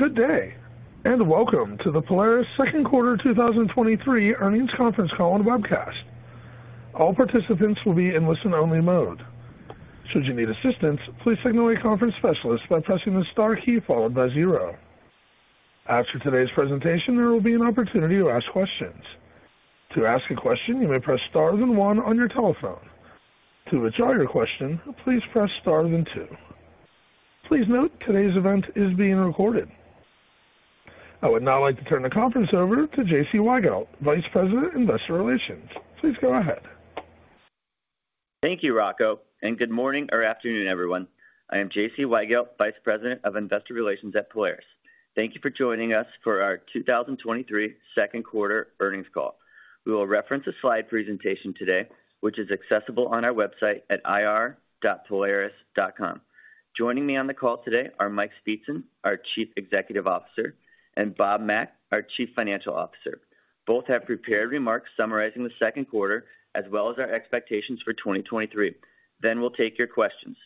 Good day, and welcome to the Polaris second quarter 2023 earnings conference call and webcast. I would now like to turn the conference over to J.C. Weigelt, Vice President, Investor Relations. Please go ahead. Thank you, Rocco. Good morning or afternoon, everyone. I am J.C. Weigelt, Vice President of Investor Relations at Polaris. Thank you for joining us for our 2023 second quarter earnings call. We will reference a slide presentation today, which is accessible on our website at ir.polaris.com. Joining me on the call today are Mike Speetzen, our Chief Executive Officer, and Bob Mack, our Chief Financial Officer. Both have prepared remarks summarizing the second quarter as well as our expectations for 2023. We'll take your questions.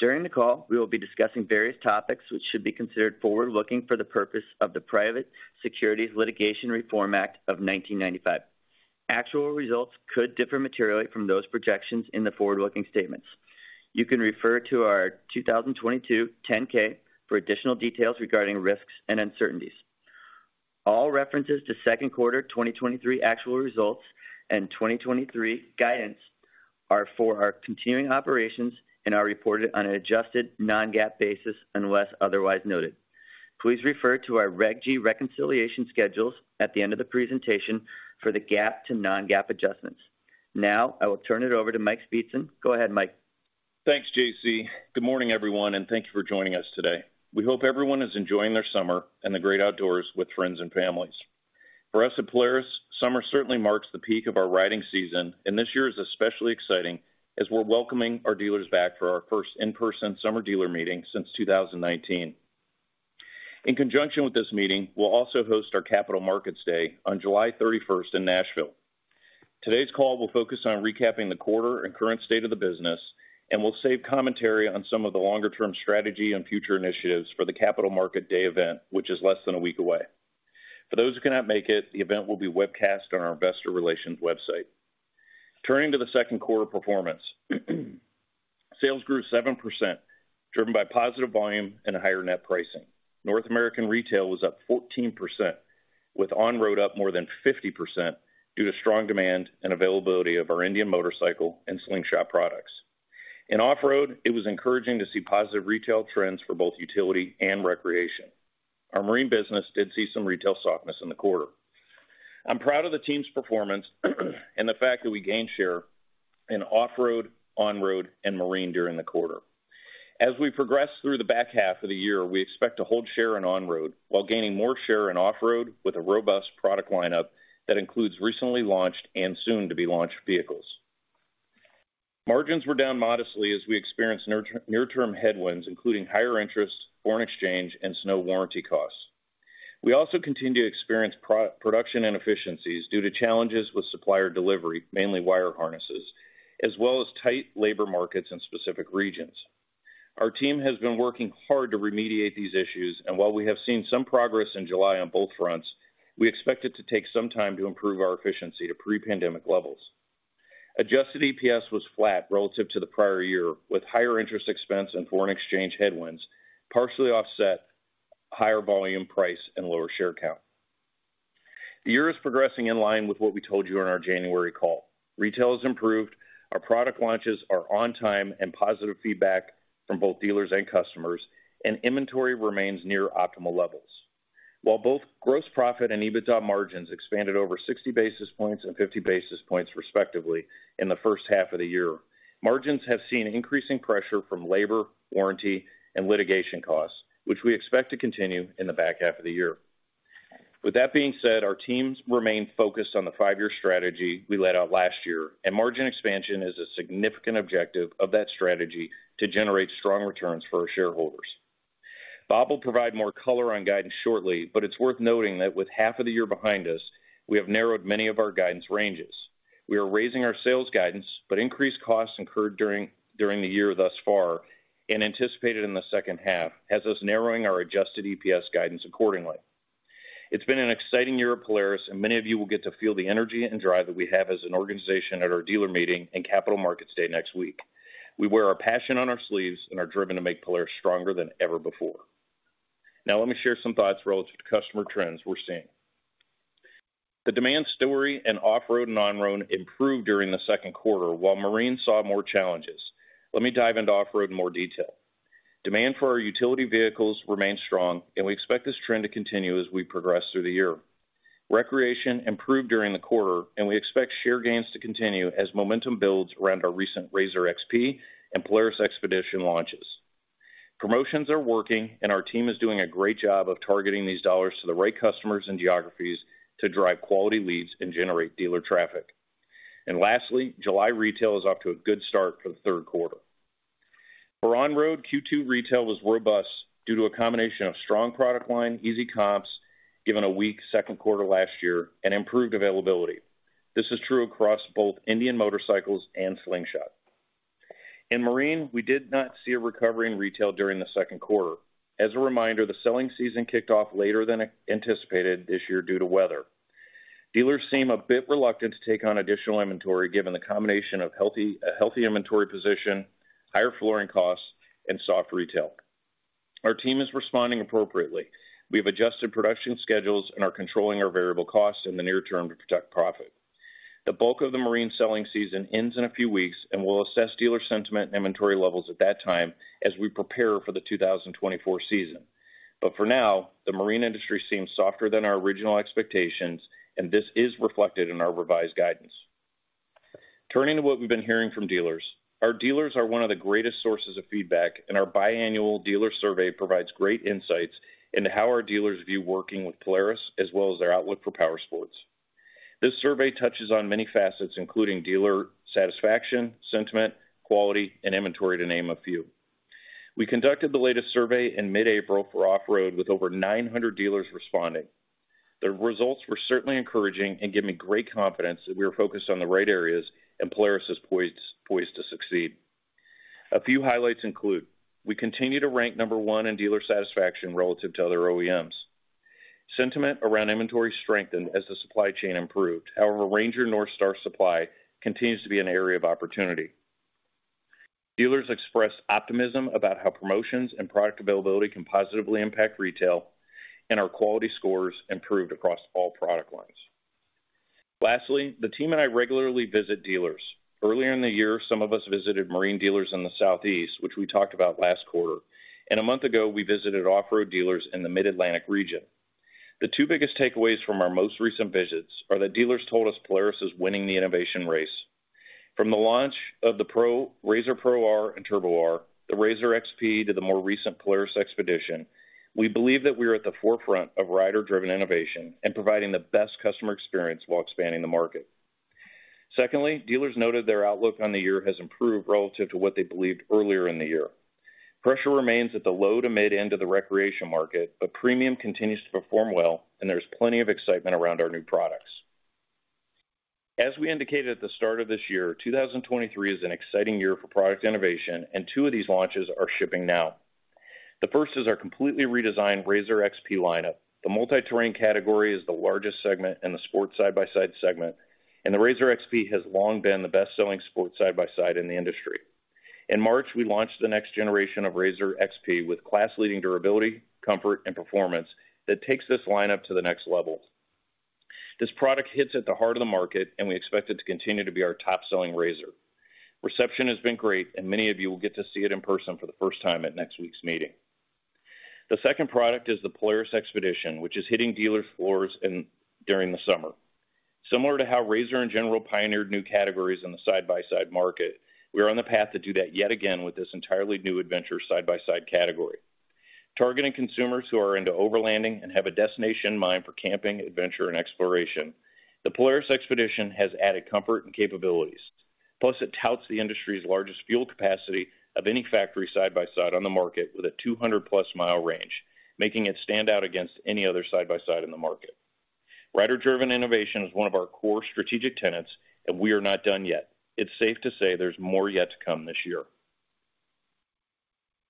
During the call, we will be discussing various topics which should be considered forward-looking for the purpose of the Private Securities Litigation Reform Act of 1995. Actual results could differ materially from those projections in the forward-looking statements. You can refer to our 2022 10-K for additional details regarding risks and uncertainties. All references to second quarter 2023 actual results and 2023 guidance are for our continuing operations and are reported on an adjusted non-GAAP basis unless otherwise noted. Please refer to our Reg G reconciliation schedules at the end of the presentation for the GAAP to non-GAAP adjustments. I will turn it over to Mike Speetzen. Go ahead, Mike. Thanks, J.C. Good morning, everyone, and thank you for joining us today. We hope everyone is enjoying their summer and the great outdoors with friends and families. For us at Polaris, summer certainly marks the peak of our riding season, and this year is especially exciting as we're welcoming our dealers back for our first in-person summer dealer meeting since 2019. In conjunction with this meeting, we'll also host our Capital Markets Day on July 31st in Nashville. Today's call will focus on recapping the quarter and current state of the business, and we'll save commentary on some of the longer term strategy and future initiatives for the Capital Markets Day event, which is less than a week away. For those who cannot make it, the event will be webcast on our investor relations website. Turning to the second quarter performance, sales grew 7%, driven by positive volume and higher net pricing. North American retail was up 14%, with on-road up more than 50% due to strong demand and availability of our Indian Motorcycle and Slingshot products. In off-road, it was encouraging to see positive retail trends for both utility and recreation. Our marine business did see some retail softness in the quarter. I'm proud of the team's performance, and the fact that we gained share in off-road, on-road, and marine during the quarter. As we progress through the back half of the year, we expect to hold share in on-road, while gaining more share in off-road with a robust product lineup that includes recently launched and soon to be launched vehicles. Margins were down modestly as we experienced near-term headwinds, including higher interest, foreign exchange, and snow warranty costs. We also continue to experience production and efficiencies due to challenges with supplier delivery, mainly wire harnesses, as well as tight labor markets in specific regions. Our team has been working hard to remediate these issues, and while we have seen some progress in July on both fronts, we expect it to take some time to improve our efficiency to pre-pandemic levels. Adjusted EPS was flat relative to the prior year, with higher interest expense and foreign exchange headwinds, partially offset higher volume, price, and lower share count. The year is progressing in line with what we told you on our January call. Retail has improved, our product launches are on time and positive feedback from both dealers and customers, and inventory remains near optimal levels. While both gross profit and EBITDA margins expanded over 60 basis points and 50 basis points, respectively, in the first half of the year, margins have seen increasing pressure from labor, warranty, and litigation costs, which we expect to continue in the back half of the year. With that being said, our teams remain focused on the five-year strategy we laid out last year, and margin expansion is a significant objective of that strategy to generate strong returns for our shareholders. Bob will provide more color on guidance shortly. It's worth noting that with half of the year behind us, we have narrowed many of our guidance ranges. We are raising our sales guidance. Increased costs incurred during the year thus far and anticipated in the second half, has us narrowing our adjusted EPS guidance accordingly. It's been an exciting year at Polaris. Many of you will get to feel the energy and drive that we have as an organization at our dealer meeting and Capital Markets Day next week. We wear our passion on our sleeves and are driven to make Polaris stronger than ever before. Let me share some thoughts relative to customer trends we're seeing. The demand story and off-road and on-road improved during the second quarter, while marine saw more challenges. Let me dive into off-road in more detail. Demand for our utility vehicles remains strong. We expect this trend to continue as we progress through the year. Recreation improved during the quarter. We expect share gains to continue as momentum builds around our recent RZR XP and Polaris XPEDITION launches. Promotions are working, and our team is doing a great job of targeting these dollars to the right customers and geographies to drive quality leads and generate dealer traffic. Lastly, July retail is off to a good start for the third quarter. For on-road, Q2 retail was robust due to a combination of strong product line, easy comps, given a weak second quarter last year, and improved availability. This is true across both Indian Motorcycle and Slingshot. In Marine, we did not see a recovery in retail during the second quarter. As a reminder, the selling season kicked off later than anticipated this year due to weather. Dealers seem a bit reluctant to take on additional inventory, given the combination of a healthy inventory position, higher flooring costs, and soft retail. Our team is responding appropriately. We have adjusted production schedules and are controlling our variable costs in the near term to protect profit. The bulk of the marine selling season ends in a few weeks, and we'll assess dealer sentiment and inventory levels at that time as we prepare for the 2024 season. For now, the marine industry seems softer than our original expectations, and this is reflected in our revised guidance. Turning to what we've been hearing from dealers. Our dealers are one of the greatest sources of feedback, and our biannual dealer survey provides great insights into how our dealers view working with Polaris, as well as their outlook for Powersports. This survey touches on many facets, including dealer satisfaction, sentiment, quality, and inventory, to name a few. We conducted the latest survey in mid-April for Off-Road, with over 900 dealers responding. The results were certainly encouraging and give me great confidence that we are focused on the right areas and Polaris is poised to succeed. A few highlights include: We continue to rank number one in dealer satisfaction relative to other OEMs. Sentiment around inventory strengthened as the supply chain improved. However, RANGER NorthStar supply continues to be an area of opportunity. Dealers expressed optimism about how promotions and product availability can positively impact retail, and our quality scores improved across all product lines. Lastly, the team and I regularly visit dealers. Earlier in the year, some of us visited marine dealers in the Southeast, which we talked about last quarter, and a month ago, we visited Off-Road dealers in the Mid-Atlantic region. The two biggest takeaways from our most recent visits are that dealers told us Polaris is winning the innovation race. From the launch of the RZR Pro R and Turbo R, the RZR XP, to the more recent Polaris XPEDITION, we believe that we are at the forefront of rider-driven innovation and providing the best customer experience while expanding the market. Secondly, dealers noted their outlook on the year has improved relative to what they believed earlier in the year. Pressure remains at the low to mid-end of the recreation market, but premium continues to perform well, and there's plenty of excitement around our new products. As we indicated at the start of this year, 2023 is an exciting year for product innovation, and 2 of these launches are shipping now. The first is our completely redesigned RZR XP lineup. The multi-terrain category is the largest segment in the sports side-by-side segment, and the RZR XP has long been the best-selling sports side-by-side in the industry. In March, we launched the next generation of RZR XP with class-leading durability, comfort, and performance that takes this lineup to the next level. This product hits at the heart of the market, and we expect it to continue to be our top-selling RZR. Reception has been great, and many of you will get to see it in person for the first time at next week's meeting. The second product is the Polaris XPEDITION, which is hitting dealer floors during the summer. Similar to how RZR, in general, pioneered new categories in the side-by-side market, we are on the path to do that yet again with this entirely new adventure side-by-side category. Targeting consumers who are into overlanding and have a destination in mind for camping, adventure, and exploration, the Polaris XPEDITION has added comfort and capabilities. Plus, it touts the industry's largest fuel capacity of any factory side-by-side on the market with a 200-plus mile range, making it stand out against any other side-by-side in the market. Rider-driven innovation is one of our core strategic tenets, and we are not done yet. It's safe to say there's more yet to come this year.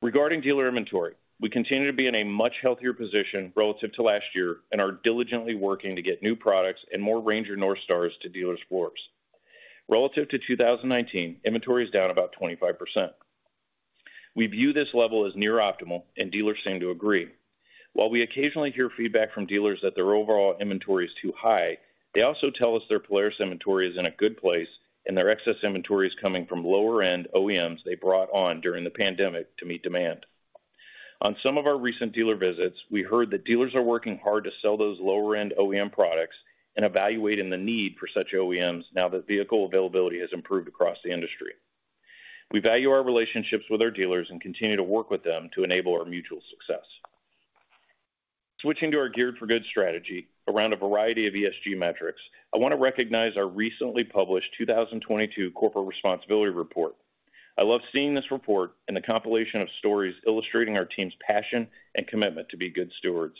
Regarding dealer inventory, we continue to be in a much healthier position relative to last year and are diligently working to get new products and more RANGER NorthStars to dealers floors. Relative to 2019, inventory is down about 25%. We view this level as near optimal, and dealers seem to agree. While we occasionally hear feedback from dealers that their overall inventory is too high, they also tell us their Polaris inventory is in a good place and their excess inventory is coming from lower-end OEMs they brought on during the pandemic to meet demand. On some of our recent dealer visits, we heard that dealers are working hard to sell those lower-end OEM products and evaluating the need for such OEMs now that vehicle availability has improved across the industry. We value our relationships with our dealers and continue to work with them to enable our mutual success. Switching to our Geared for Good strategy around a variety of ESG metrics, I want to recognize our recently published 2022 Corporate Responsibility Report. I love seeing this report and the compilation of stories illustrating our team's passion and commitment to be good stewards.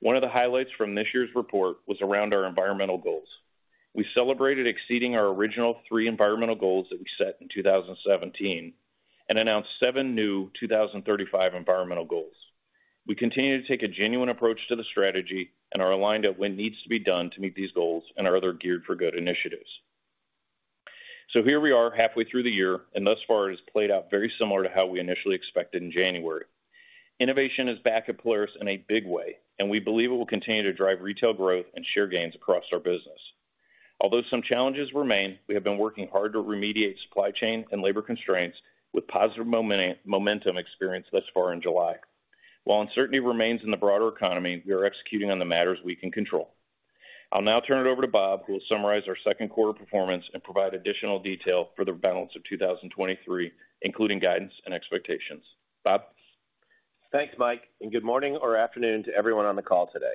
One of the highlights from this year's report was around our environmental goals. We celebrated exceeding our original three environmental goals that we set in 2017 and announced seven new 2035 environmental goals. We continue to take a genuine approach to the strategy and are aligned at what needs to be done to meet these goals and our other Geared for Good initiatives. Here we are, halfway through the year, and thus far, it has played out very similar to how we initially expected in January. Innovation is back at Polaris in a big way, and we believe it will continue to drive retail growth and share gains across our business. Although some challenges remain, we have been working hard to remediate supply chain and labor constraints with positive momentum experienced thus far in July. While uncertainty remains in the broader economy, we are executing on the matters we can control. I'll now turn it over to Bob, who will summarize our second quarter performance and provide additional detail for the balance of 2023, including guidance and expectations. Bob? Thanks, Mike. Good morning or afternoon to everyone on the call today.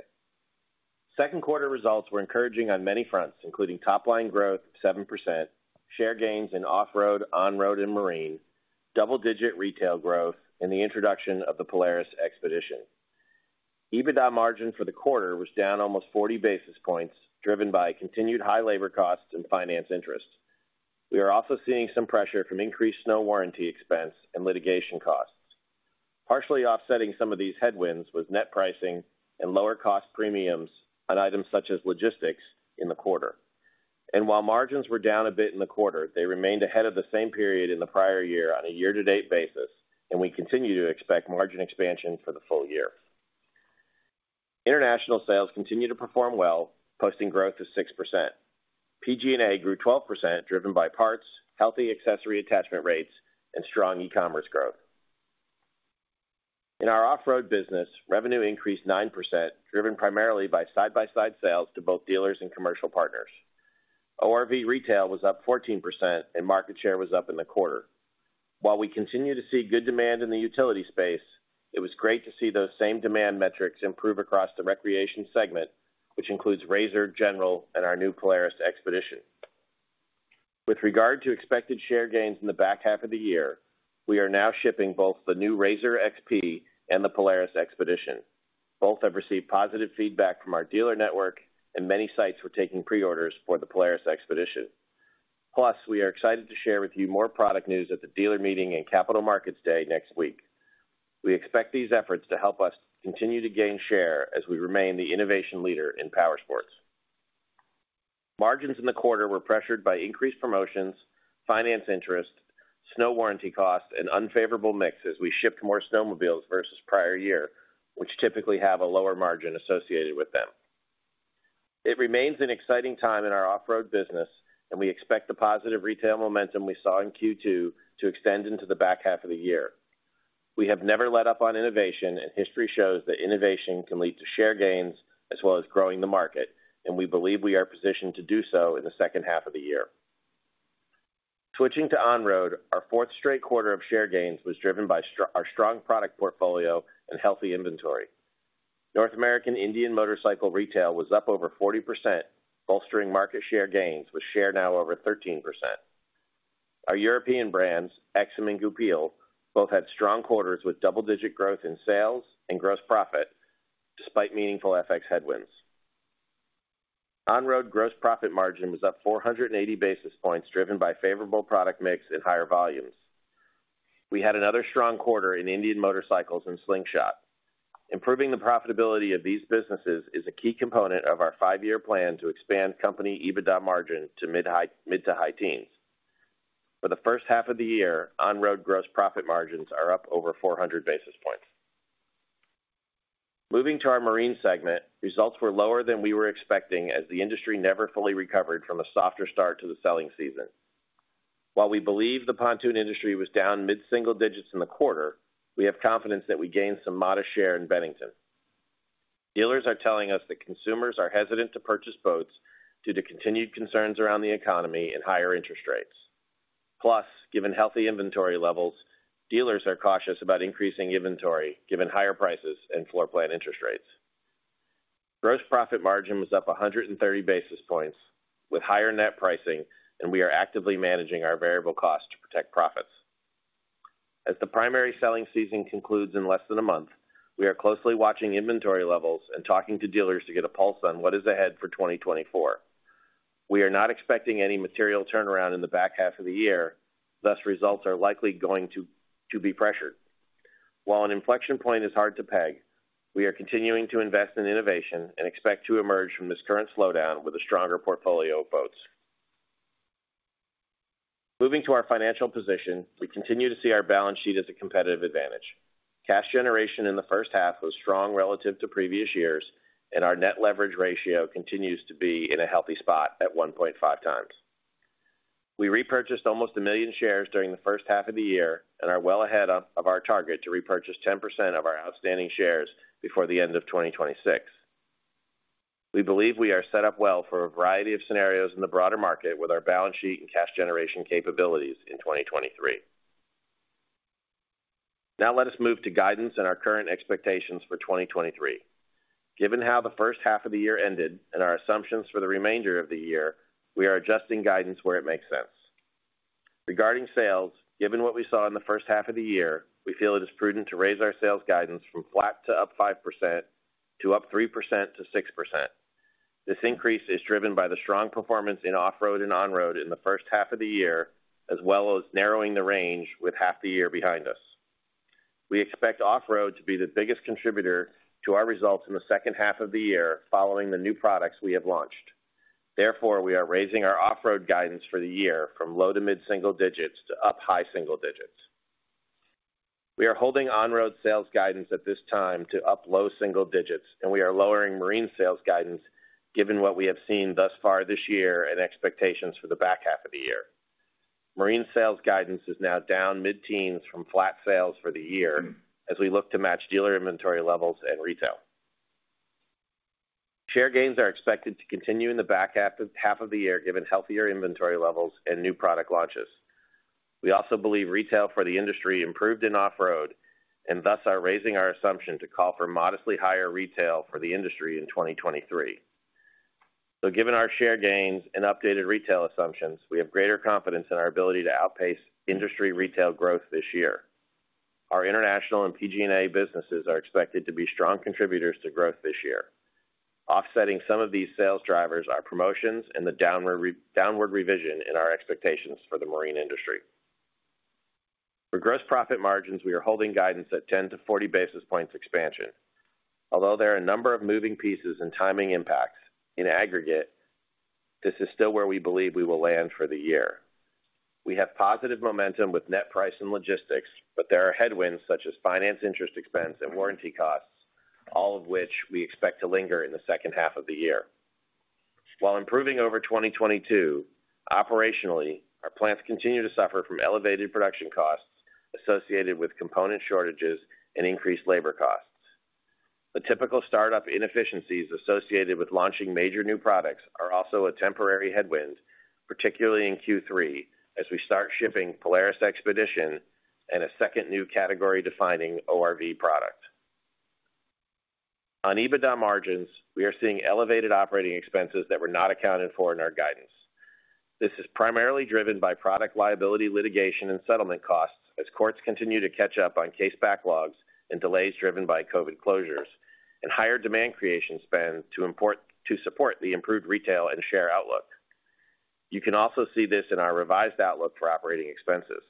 Second quarter results were encouraging on many fronts, including top-line growth of 7%, share gains in off-road, on-road, and marine, double-digit retail growth, and the introduction of the Polaris XPEDITION. EBITDA margin for the quarter was down almost 40 basis points, driven by continued high labor costs and finance interest. We are also seeing some pressure from increased snow warranty expense and litigation costs. Partially offsetting some of these headwinds was net pricing and lower cost premiums on items such as logistics in the quarter. While margins were down a bit in the quarter, they remained ahead of the same period in the prior year on a year-to-date basis, and we continue to expect margin expansion for the full year. International sales continue to perform well, posting growth of 6%. PG&A grew 12%, driven by parts, healthy accessory attachment rates, and strong e-commerce growth. In our off-road business, revenue increased 9%, driven primarily by side-by-side sales to both dealers and commercial partners. ORV retail was up 14% and market share was up in the quarter. While we continue to see good demand in the utility space, it was great to see those same demand metrics improve across the recreation segment, which includes RZR, GENERAL, and our new Polaris XPEDITION. With regard to expected share gains in the back half of the year, we are now shipping both the new RZR XP and the Polaris XPEDITION. Both have received positive feedback from our dealer network and many sites were taking pre-orders for the Polaris XPEDITION. Plus, we are excited to share with you more product news at the dealer meeting and Capital Markets Day next week. We expect these efforts to help us continue to gain share as we remain the innovation leader in powersports. Margins in the quarter were pressured by increased promotions, finance interest, snow warranty costs, and unfavorable mix as we shipped more snowmobiles versus prior year, which typically have a lower margin associated with them. It remains an exciting time in our off-road business, and we expect the positive retail momentum we saw in Q2 to extend into the back half of the year. History shows that innovation can lead to share gains as well as growing the market, and we believe we are positioned to do so in the second half of the year. Switching to on-road, our fourth straight quarter of share gains was driven by our strong product portfolio and healthy inventory. North American Indian Motorcycle retail was up over 40%, bolstering market share gains, with share now over 13%. Our European brands, Aixam and Goupil, both had strong quarters with double-digit growth in sales and gross profit, despite meaningful FX headwinds. On-road gross profit margin was up 480 basis points, driven by favorable product mix and higher volumes. We had another strong quarter in Indian Motorcycle and Slingshot. Improving the profitability of these businesses is a key component of our five-year plan to expand company EBITDA margin to mid to high teens. For the first half of the year, on-road gross profit margins are up over 400 basis points. Moving to our marine segment, results were lower than we were expecting, as the industry never fully recovered from a softer start to the selling season. While we believe the pontoon industry was down mid-single digits in the quarter, we have confidence that we gained some modest share in Bennington. Dealers are telling us that consumers are hesitant to purchase boats due to continued concerns around the economy and higher interest rates. Given healthy inventory levels, dealers are cautious about increasing inventory, given higher prices and floor plan interest rates. Gross profit margin was up 130 basis points with higher net pricing, and we are actively managing our variable costs to protect profits. As the primary selling season concludes in less than a month, we are closely watching inventory levels and talking to dealers to get a pulse on what is ahead for 2024. We are not expecting any material turnaround in the back half of the year, thus, results are likely going to be pressured. While an inflection point is hard to peg, we are continuing to invest in innovation and expect to emerge from this current slowdown with a stronger portfolio of boats. Moving to our financial position, we continue to see our balance sheet as a competitive advantage. Cash generation in the first half was strong relative to previous years, and our net leverage ratio continues to be in a healthy spot at 1.5 times. We repurchased almost 1 million shares during the first half of the year and are well ahead of our target to repurchase 10% of our outstanding shares before the end of 2026. We believe we are set up well for a variety of scenarios in the broader market with our balance sheet and cash generation capabilities in 2023. Let us move to guidance and our current expectations for 2023. Given how the first half of the year ended and our assumptions for the remainder of the year, we are adjusting guidance where it makes sense. Regarding sales, given what we saw in the first half of the year, we feel it is prudent to raise our sales guidance from flat to up 5%, to up 3%-6%. This increase is driven by the strong performance in off-road and on-road in the first half of the year, as well as narrowing the range with half the year behind us. We expect off-road to be the biggest contributor to our results in the second half of the year, following the new products we have launched. We are raising our off-road guidance for the year from low to mid-single digits to up high single digits. We are holding on-road sales guidance at this time to up low single digits, and we are lowering marine sales guidance, given what we have seen thus far this year and expectations for the back half of the year. Marine sales guidance is now down mid-teens from flat sales for the year as we look to match dealer inventory levels and retail. Share gains are expected to continue in the back half of the year, given healthier inventory levels and new product launches. We also believe retail for the industry improved in off-road and thus are raising our assumption to call for modestly higher retail for the industry in 2023. Given our share gains and updated retail assumptions, we have greater confidence in our ability to outpace industry retail growth this year. Our international and PG&A businesses are expected to be strong contributors to growth this year. Offsetting some of these sales drivers are promotions and the downward revision in our expectations for the marine industry. For gross profit margins, we are holding guidance at 10-40 basis points expansion. Although there are a number of moving pieces and timing impacts, in aggregate, this is still where we believe we will land for the year. We have positive momentum with net price and logistics, but there are headwinds such as finance, interest expense, and warranty costs, all of which we expect to linger in the second half of the year. While improving over 2022, operationally, our plants continue to suffer from elevated production costs associated with component shortages and increased labor costs. The typical startup inefficiencies associated with launching major new products are also a temporary headwind, particularly in Q3, as we start shipping Polaris XPEDITION and a second new category-defining ORV product. On EBITDA margins, we are seeing elevated operating expenses that were not accounted for in our guidance. This is primarily driven by product liability, litigation, and settlement costs, as courts continue to catch up on case backlogs and delays driven by COVID closures and higher demand creation spend to support the improved retail and share outlook. You can also see this in our revised outlook for operating expenses.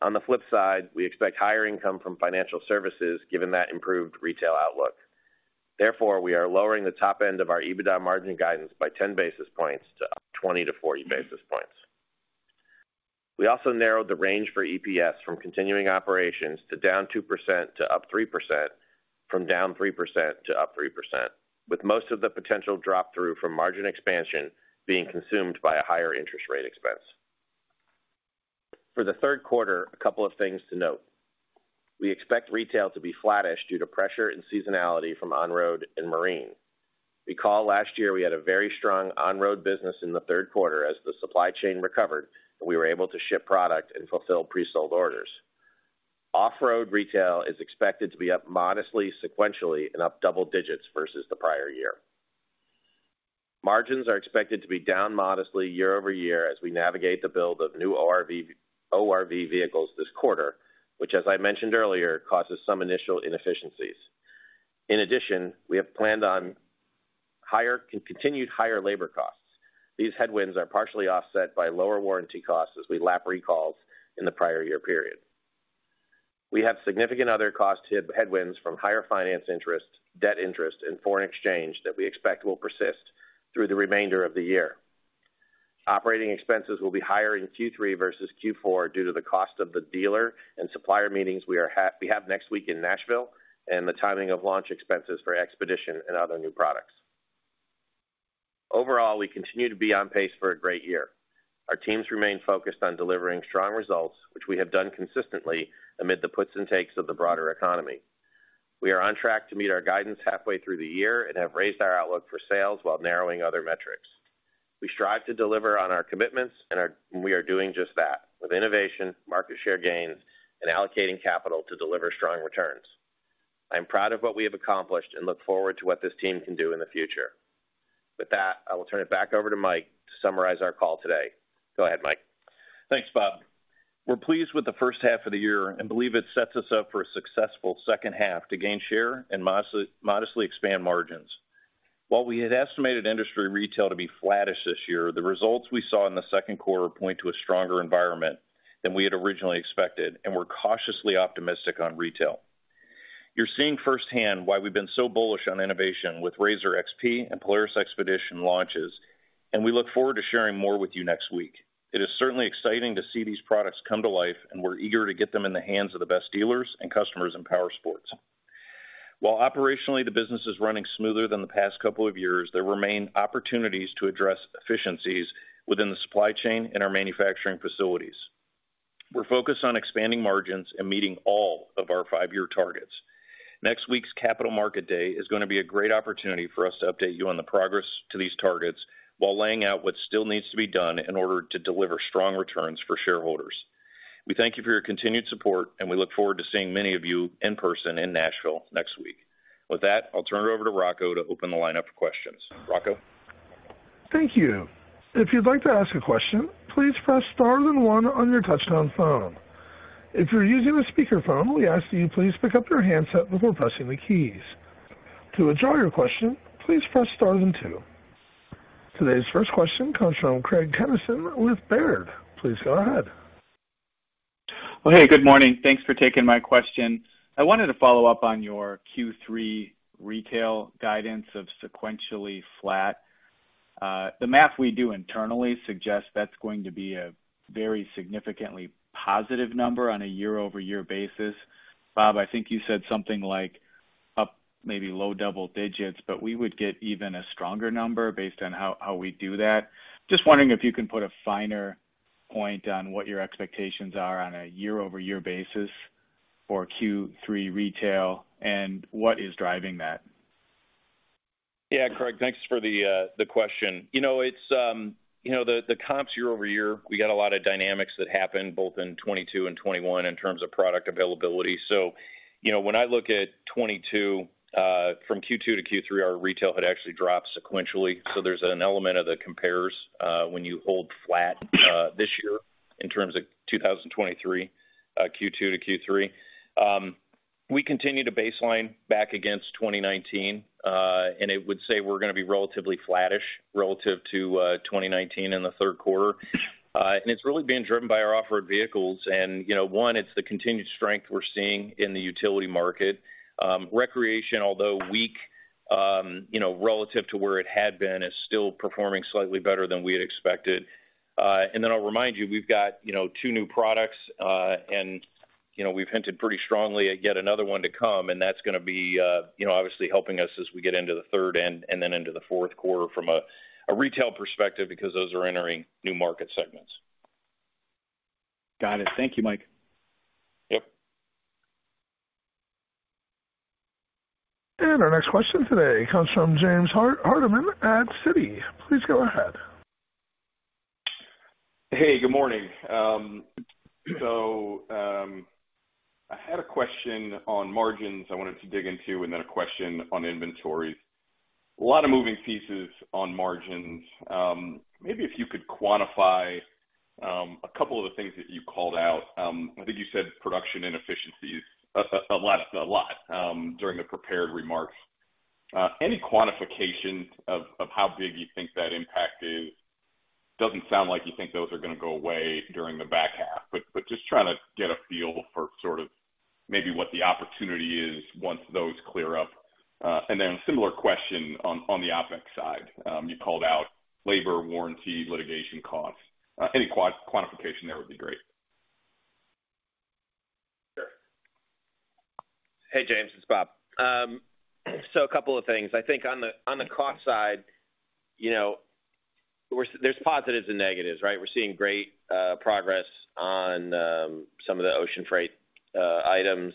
On the flip side, we expect higher income from financial services, given that improved retail outlook. Therefore, we are lowering the top end of our EBITDA margin guidance by 10 basis points to 20-40 basis points. We also narrowed the range for EPS from continuing operations to down 2% to up 3%, from down 3% to up 3%, with most of the potential drop-through from margin expansion being consumed by a higher interest rate expense. For the third quarter, a couple of things to note. We expect retail to be flattish due to pressure and seasonality from on-road and marine. Recall, last year, we had a very strong on-road business in the third quarter as the supply chain recovered, and we were able to ship product and fulfill pre-sold orders. Off-road retail is expected to be up modestly, sequentially, and up double digits versus the prior year. Margins are expected to be down modestly year-over-year as we navigate the build of new ORV vehicles this quarter, which, as I mentioned earlier, causes some initial inefficiencies. In addition, we have planned on continued higher labor costs. These headwinds are partially offset by lower warranty costs as we lap recalls in the prior year period. We have significant other cost headwinds from higher finance interest, debt interest, and foreign exchange that we expect will persist through the remainder of the year. Operating expenses will be higher in Q3 versus Q4 due to the cost of the dealer and supplier meetings we have next week in Nashville and the timing of launch expenses for XPEDITION and other new products. Overall, we continue to be on pace for a great year. Our teams remain focused on delivering strong results, which we have done consistently amid the puts and takes of the broader economy. We are on track to meet our guidance halfway through the year and have raised our outlook for sales while narrowing other metrics. We strive to deliver on our commitments, and we are doing just that, with innovation, market share gains, and allocating capital to deliver strong returns. I am proud of what we have accomplished and look forward to what this team can do in the future. With that, I will turn it back over to Mike to summarize our call today. Go ahead, Mike. Thanks, Bob. We're pleased with the first half of the year and believe it sets us up for a successful second half to gain share and modestly expand margins. The results we saw in the second quarter point to a stronger environment than we had originally expected, and we're cautiously optimistic on retail. You're seeing firsthand why we've been so bullish on innovation with RZR XP and Polaris XPEDITION launches, and we look forward to sharing more with you next week. It is certainly exciting to see these products come to life, and we're eager to get them in the hands of the best dealers and customers in powersports. Operationally, the business is running smoother than the past couple of years, there remain opportunities to address efficiencies within the supply chain and our manufacturing facilities. We're focused on expanding margins and meeting all of our five-year targets. Next week's Capital Markets Day is going to be a great opportunity for us to update you on the progress to these targets while laying out what still needs to be done in order to deliver strong returns for shareholders. We thank you for your continued support. We look forward to seeing many of you in person in Nashville next week. With that, I'll turn it over to Rocco to open the lineup for questions. Rocco? Thank you. Today's first question comes from Craig Kennison with Baird. Please go ahead. Well, hey, good morning. Thanks for taking my question. I wanted to follow-up on your Q3 retail guidance of sequentially flat. The math we do internally suggests that's going to be a very significantly positive number on a year-over-year basis. Bob, I think you said something like up maybe low double digits, but we would get even a stronger number based on how we do that. Just wondering if you can put a finer point on what your expectations are on a year-over-year basis for Q3 retail and what is driving that? Yeah, Craig, thanks for the question. You know, it's, you know, the comps year-over-year, we got a lot of dynamics that happened both in 2022 and 2021 in terms of product availability. You know, when I look at 2022, from Q2-Q3, our retail had actually dropped sequentially. There's an element of the compares, when you hold flat this year in terms of 2023, Q2-Q3. We continue to baseline back against 2019, and I would say we're going to be relatively flattish relative to 2019 in the third quarter. It's really being driven by our off-road vehicles. You know, one, it's the continued strength we're seeing in the utility market. Recreation, although weak, you know, relative to where it had been, is still performing slightly better than we had expected. Then I'll remind you, we've got, you know, two new products, and, you know, we've hinted pretty strongly at yet another one to come, and that's going to be, you know, obviously helping us as we get into the third and then into the fourth quarter from a retail perspective, because those are entering new market segments. Got it. Thank you, Mike. Yep. Our next question today comes from James Hardiman at Citi. Please go ahead. Hey, good morning. I had a question on margins I wanted to dig into and then a question on inventories. A lot of moving pieces on margins. Maybe if you could quantify a couple of the things that you called out. I think you said production inefficiencies a lot during the prepared remarks. Any quantifications of how big you think that impact is? Doesn't sound like you think those are going to go away during the back half, but just trying to get a feel for sort of maybe what the opportunity is once those clear up. A similar question on the OpEx side. You called out labor, warranty, litigation costs. Any quantification there would be great. Sure. Hey, James, it's Bob. A couple of things. I think on the, on the cost side, you know, there's positives and negatives, right? We're seeing great progress on some of the ocean freight items,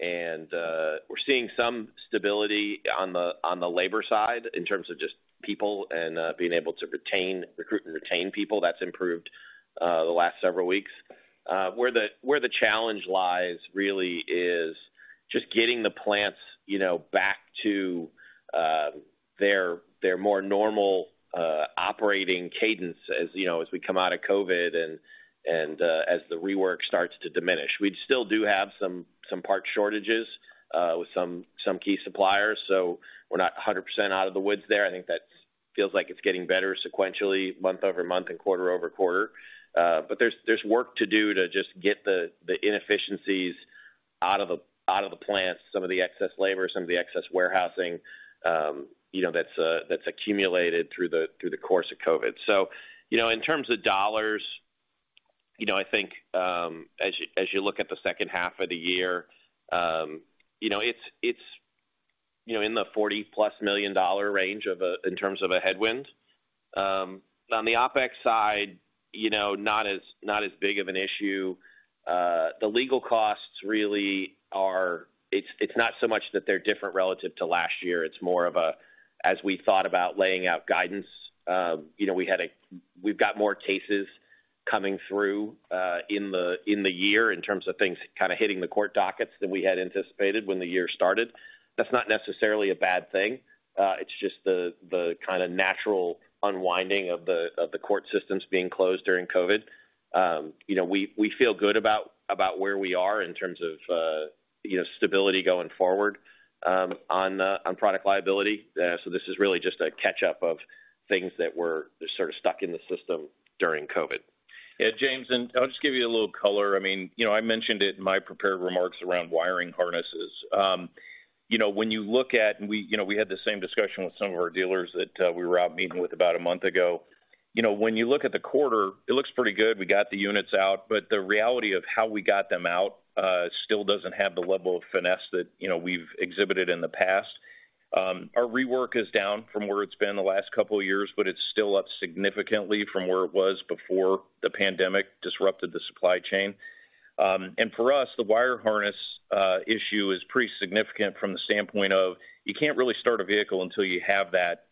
and we're seeing some stability on the, on the labor side in terms of just people and being able to retain, recruit and retain people. That's improved the last several weeks. Where the, where the challenge lies really is just getting the plants, you know, back to their more normal operating cadence, as, you know, as we come out of COVID and as the rework starts to diminish. We still do have some part shortages with some key suppliers, so we're not 100% out of the woods there. I think that feels like it's getting better sequentially, month-over-month and quarter-over-quarter. There's work to do to just get the inefficiencies out of the plants, some of the excess labor, some of the excess warehousing, you know, that's accumulated through the course of COVID. In terms of dollars, you know, I think, as you look at the second half of the year, you know, it's, you know, in the $40+ million range in terms of a headwind. On the OpEx side, you know, not as big of an issue. The legal costs really are, it's not so much that they're different relative to last year. It's more of a, as we thought about laying out guidance, you know, we've got more cases coming through in the year in terms of things kind of hitting the court dockets than we had anticipated when the year started. That's not necessarily a bad thing. It's just the kind of natural unwinding of the court systems being closed during COVID. You know, we feel good about where we are in terms of, you know, stability going forward on product liability. This is really just a catch-up of things that were just sort of stuck in the system during COVID. Yeah, James, I'll just give you a little color. I mean, you know, I mentioned it in my prepared remarks around wiring harnesses. You know, when you look at, you know, we had the same discussion with some of our dealers that we were out meeting with about a month ago. You know, when you look at the quarter, it looks pretty good. We got the units out. The reality of how we got them out still doesn't have the level of finesse that, you know, we've exhibited in the past. Our rework is down from where it's been the last couple of years. It's still up significantly from where it was before the pandemic disrupted the supply chain. For us, the wire harness issue is pretty significant from the standpoint of you can't really start a vehicle until you have that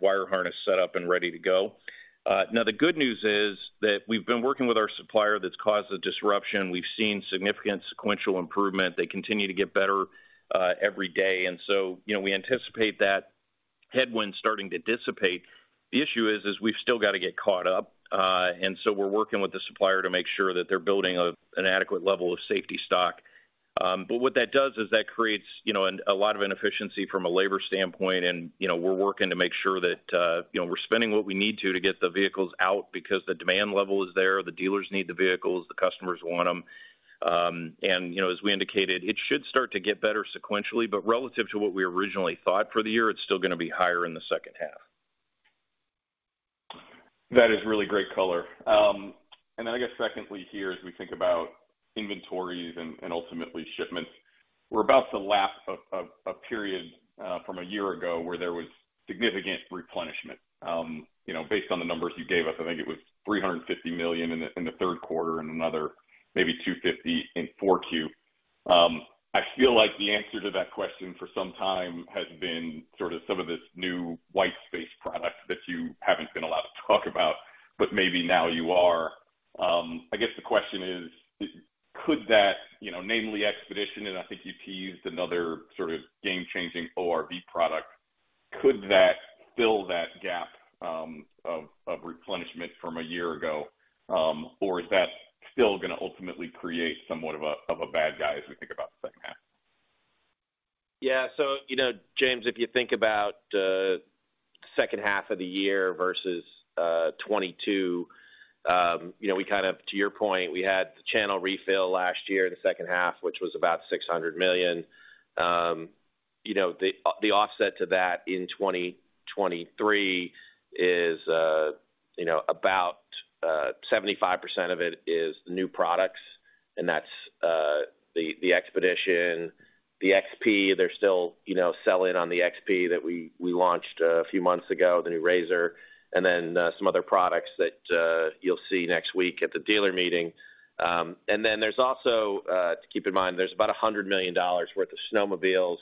wire harness set up and ready to go. Now, the good news is that we've been working with our supplier that's caused the disruption. We've seen significant sequential improvement. They continue to get better every day. You know, we anticipate that headwind starting to dissipate. The issue is we've still got to get caught up. We're working with the supplier to make sure that they're building an adequate level of safety stock. What that does is that creates, you know, a lot of inefficiency from a labor standpoint. You know, we're working to make sure that, you know, we're spending what we need to get the vehicles out, because the demand level is there. The dealers need the vehicles, the customers want them. You know, as we indicated, it should start to get better sequentially, but relative to what we originally thought for the year, it's still going to be higher in the second half. That is really great color. I guess secondly here, as we think about inventories and ultimately shipments, we're about to lap a period from a year ago where there was significant replenishment. You know, based on the numbers you gave us, I think it was $350 million in the third quarter and another maybe $250 in 4Q. I feel like the answer to that question for some time has been sort of some of this new white space product that you haven't been allowed to talk about, but maybe now you are. I guess the question is: Could that, you know, namely XPEDITION, and I think you teased another sort of game-changing ORV product-could that fill that gap, of replenishment from a year ago, or is that still gonna ultimately create somewhat of a bad guy as we think about the second half? you know, James, if you think about second half of the year versus 2022, you know, we kind of, to your point, we had the channel refill last year in the second half, which was about $600 million. you know, the offset to that in 2023 is, you know, about 75% of it is new products, and that's the XPEDITION, the XP. They're still, you know, selling on the XP that we launched a few months ago, the new RZR, and then some other products that you'll see next week at the dealer meeting. There's also, to keep in mind, there's about $100 million worth of snowmobiles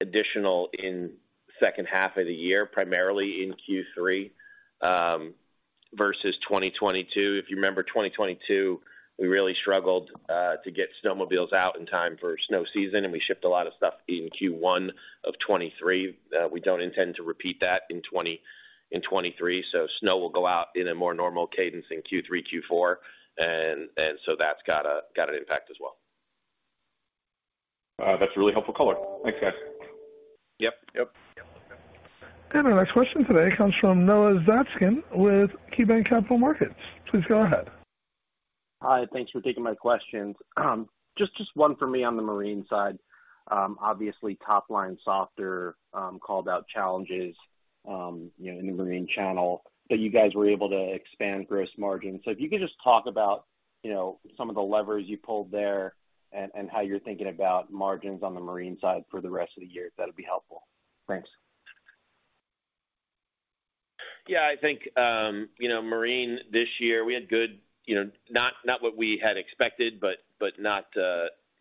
additional in second half of the year, primarily in Q3, versus 2022. If you remember, 2022, we really struggled, to get snowmobiles out in time for snow season. We shipped a lot of stuff in Q1 of 2023. We don't intend to repeat that in 2023, so snow will go out in a more normal cadence in Q3, Q4. So that's got an impact as well. That's a really helpful color. Thanks, guys. Yep. Yep. Our next question today comes from Noah Zatzkin with KeyBanc Capital Markets. Please go ahead. Hi, thanks for taking my questions. Just one for me on the marine side. Obviously, top-line softer, called out challenges, you know, in the marine channel, but you guys were able to expand gross margin. If you could just talk about, you know, some of the levers you pulled there and how you're thinking about margins on the marine side for the rest of the year, that'll be helpful. Thanks. I think, you know, marine this year, we had good, you know, not what we had expected, but not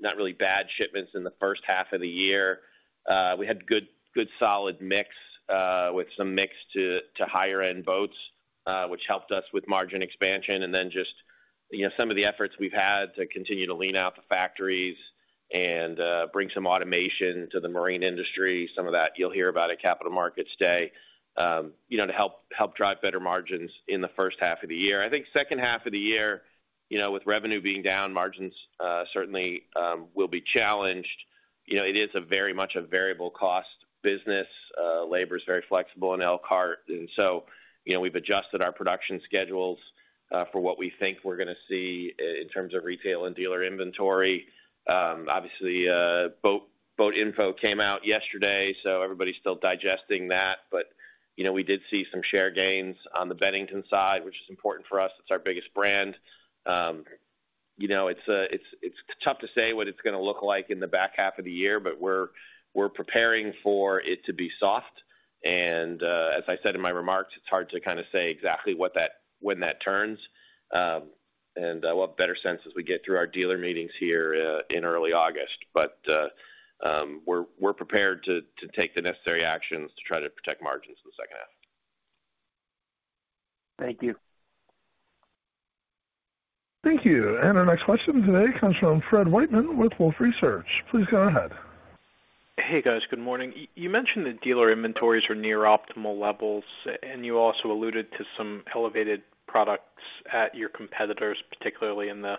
really bad shipments in the first half of the year. We had good solid mix, with some mix to higher-end boats, which helped us with margin expansion, and then just, you know, some of the efforts we've had to continue to lean out the factories and bring some automation to the marine industry. Some of that you'll hear about at Capital Markets Day, you know, to help drive better margins in the first half of the year. I think second half of the year, you know, with revenue being down, margins certainly will be challenged. You know, it is a very much a variable cost business. Labor is very flexible in Elkhart, you know, we've adjusted our production schedules for what we think we're gonna see in terms of retail and dealer inventory. Obviously, boat info came out yesterday, everybody's still digesting that. You know, we did see some share gains on the Bennington side, which is important for us. It's our biggest brand. You know, it's tough to say what it's gonna look like in the back half of the year, we're preparing for it to be soft. As I said in my remarks, it's hard to kind of say exactly when that turns, we'll have better sense as we get through our dealer meetings here in early August. We're prepared to take the necessary actions to try to protect margins in the second half. Thank you. Thank you. Our next question today comes from Fred Wightman with Wolfe Research. Please go ahead. Hey, guys. Good morning. You mentioned that dealer inventories are near optimal levels. You also alluded to some elevated products at your competitors, particularly in the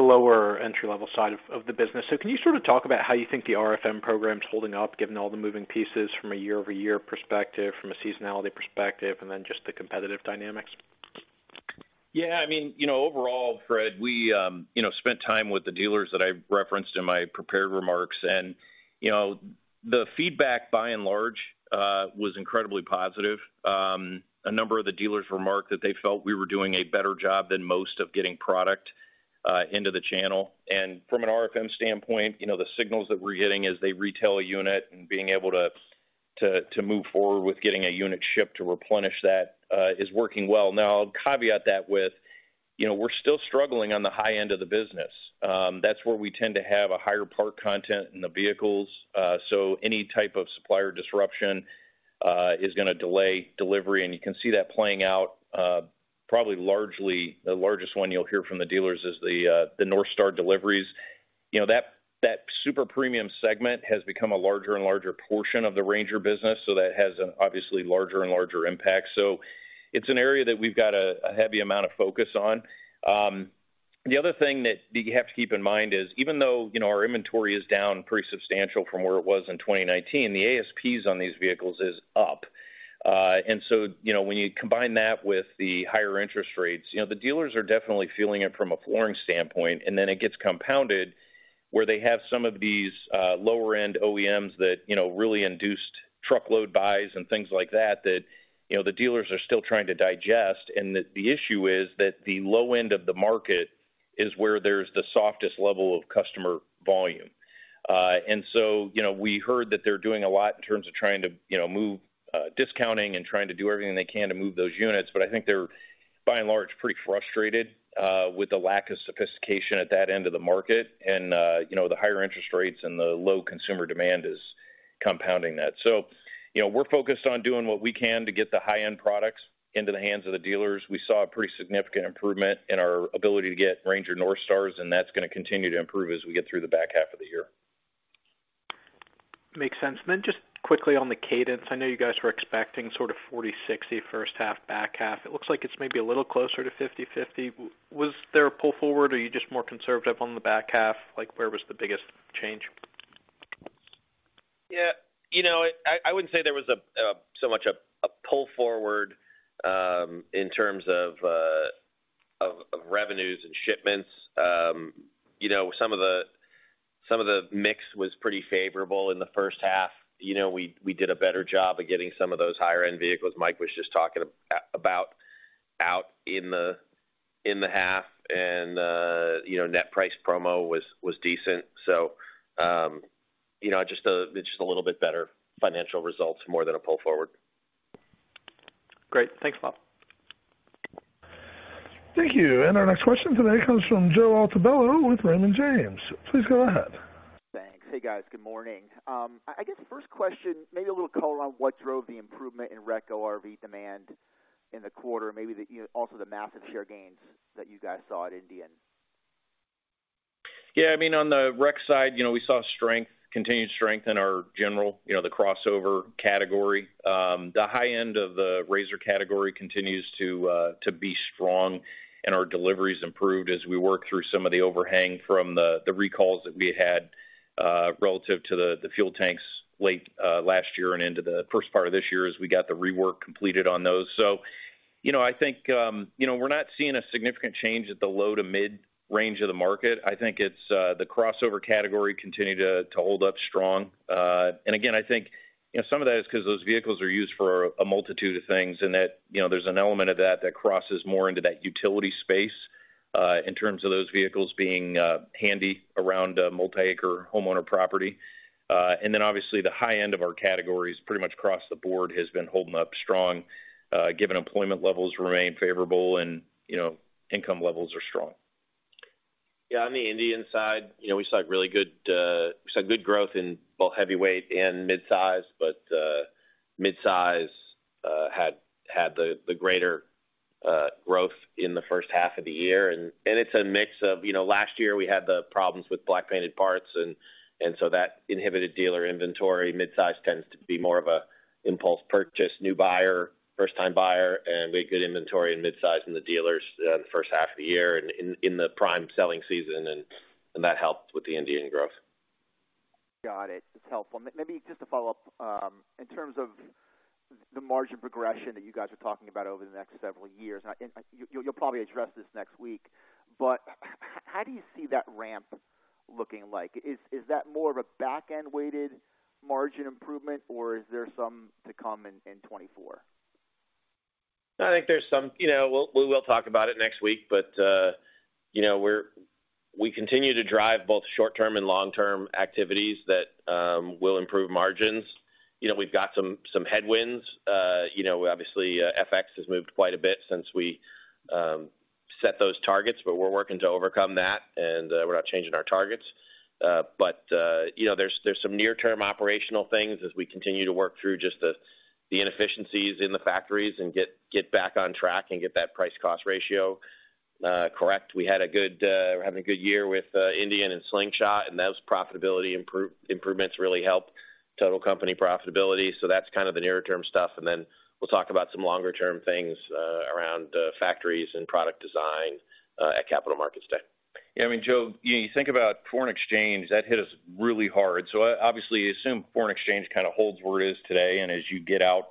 lower entry-level side of the business. Can you sort of talk about how you think the RFM program's is holding up, given all the moving pieces from a year-over-year perspective, from a seasonality perspective, and then just the competitive dynamics? Yeah, I mean, you know, overall, Fred, we, you know, spent time with the dealers that I referenced in my prepared remarks, and, you know, the feedback, by and large, was incredibly positive. A number of the dealers remarked that they felt we were doing a better job than most of getting product into the channel. From an RFM standpoint, you know, the signals that we're getting as they retail a unit and being able to move forward with getting a unit shipped to replenish that is working well. Now, I'll caveat that with, you know, we're still struggling on the high end of the business. That's where we tend to have a higher part content in the vehicles, so any type of supplier disruption is gonna delay delivery, and you can see that playing out, probably largely... The largest one you'll hear from the dealers is the NorthStar deliveries. You know, that super premium segment has become a larger and larger portion of the RANGER business, so that has an obviously larger and larger impact. It's an area that we've got a heavy amount of focus on. The other thing that you have to keep in mind is, even though, you know, our inventory is down pretty substantial from where it was in 2019, the ASPs on these vehicles is up. You know, when you combine that with the higher interest rates, you know, the dealers are definitely feeling it from a flooring standpoint, and then it gets compounded, where they have some of these, lower-end OEMs that, you know, really induced truckload buys and things like that, you know, the dealers are still trying to digest. The issue is that the low end of the market is where there's the softest level of customer volume. You know, we heard that they're doing a lot in terms of trying to, you know, move, discounting and trying to do everything they can to move those units, but I think they're, by and large, pretty frustrated, with the lack of sophistication at that end of the market. You know, the higher interest rates and the low consumer demand is compounding that. You know, we're focused on doing what we can to get the high-end products into the hands of the dealers. We saw a pretty significant improvement in our ability to get RANGER NorthStars. That's gonna continue to improve as we get through the back half of the year. Makes sense. Just quickly on the cadence, I know you guys were expecting sort of 40-60, first half, back half. It looks like it's maybe a little closer to 50-50. Was there a pull forward, or are you just more conservative on the back half? Like, where was the biggest change? Yeah, you know, I wouldn't say there was so much a pull forward in terms of revenues and shipments. You know, some of the mix was pretty favorable in the first half. You know, we did a better job of getting some of those higher-end vehicles Mike was just talking about out in the half. And, you know, net price promo was decent. You know, just a little bit better financial results more than a pull forward. Great. Thanks, Bob. Thank you. Our next question today comes from Joe Altobello with Raymond James. Please go ahead. Thanks. Hey, guys, good morning. I guess the first question, maybe a little color on what drove the improvement in rec ORV demand in the quarter, and maybe the, you know, also the massive share gains that you guys saw at Indian? Yeah, I mean, on the rec side, you know, we saw strength, continued strength in our general, you know, the crossover category. The high end of the RZR category continues to be strong, and our deliveries improved as we worked through some of the overhang from the recalls that we had relative to the fuel tanks late last year and into the first part of this year as we got the rework completed on those. You know, I think, you know, we're not seeing a significant change at the low to mid-range of the market. I think it's the crossover category continued to hold up strong. I think, you know, some of that is 'cause those vehicles are used for a multitude of things, and that, you know, there's an element of that that crosses more into that utility space, in terms of those vehicles being handy around a multiacre homeowner property. Obviously, the high end of our categories, pretty much across the board, has been holding up strong, given employment levels remain favorable and, you know, income levels are strong. Yeah, on the Indian side, you know, we saw really good, we saw good growth in both heavyweight and mid-size, but mid-size had the greater growth in the first half of the year. It's a mix of, you know, last year we had the problems with black painted parts and so that inhibited dealer inventory. Mid-size tends to be more of a impulse purchase, new buyer, first-time buyer, and we had good inventory in mid-size in the dealers, the first half of the year and in the prime selling season, that helped with the Indian growth. Got it. It's helpful. Maybe just to follow-up, in terms of the margin progression that you guys are talking about over the next several years, and I think you'll probably address this next week, but how do you see that ramp looking like? Is that more of a back-end-weighted margin improvement, or is there some to come in 2024? I think there's some. You know, we will talk about it next week, but, you know, we continue to drive both short-term and long-term activities that will improve margins. You know, we've got some headwinds. You know, obviously, FX has moved quite a bit since we set those targets, but we're working to overcome that, and we're not changing our targets. But, you know, there's some near-term operational things as we continue to work through just the inefficiencies in the factories and get back on track and get that price-cost ratio correct. We had a good, we're having a good year with Indian and Slingshot, and those profitability improvements really helped total company profitability. That's kind of the near-term stuff. We'll talk about some longer-term things, around factories and product design, at Capital Markets Day. Yeah, I mean, Joe, you know, you think about foreign exchange, that hit us really hard. Obviously, assume foreign exchange kind of holds where it is today, and as you get out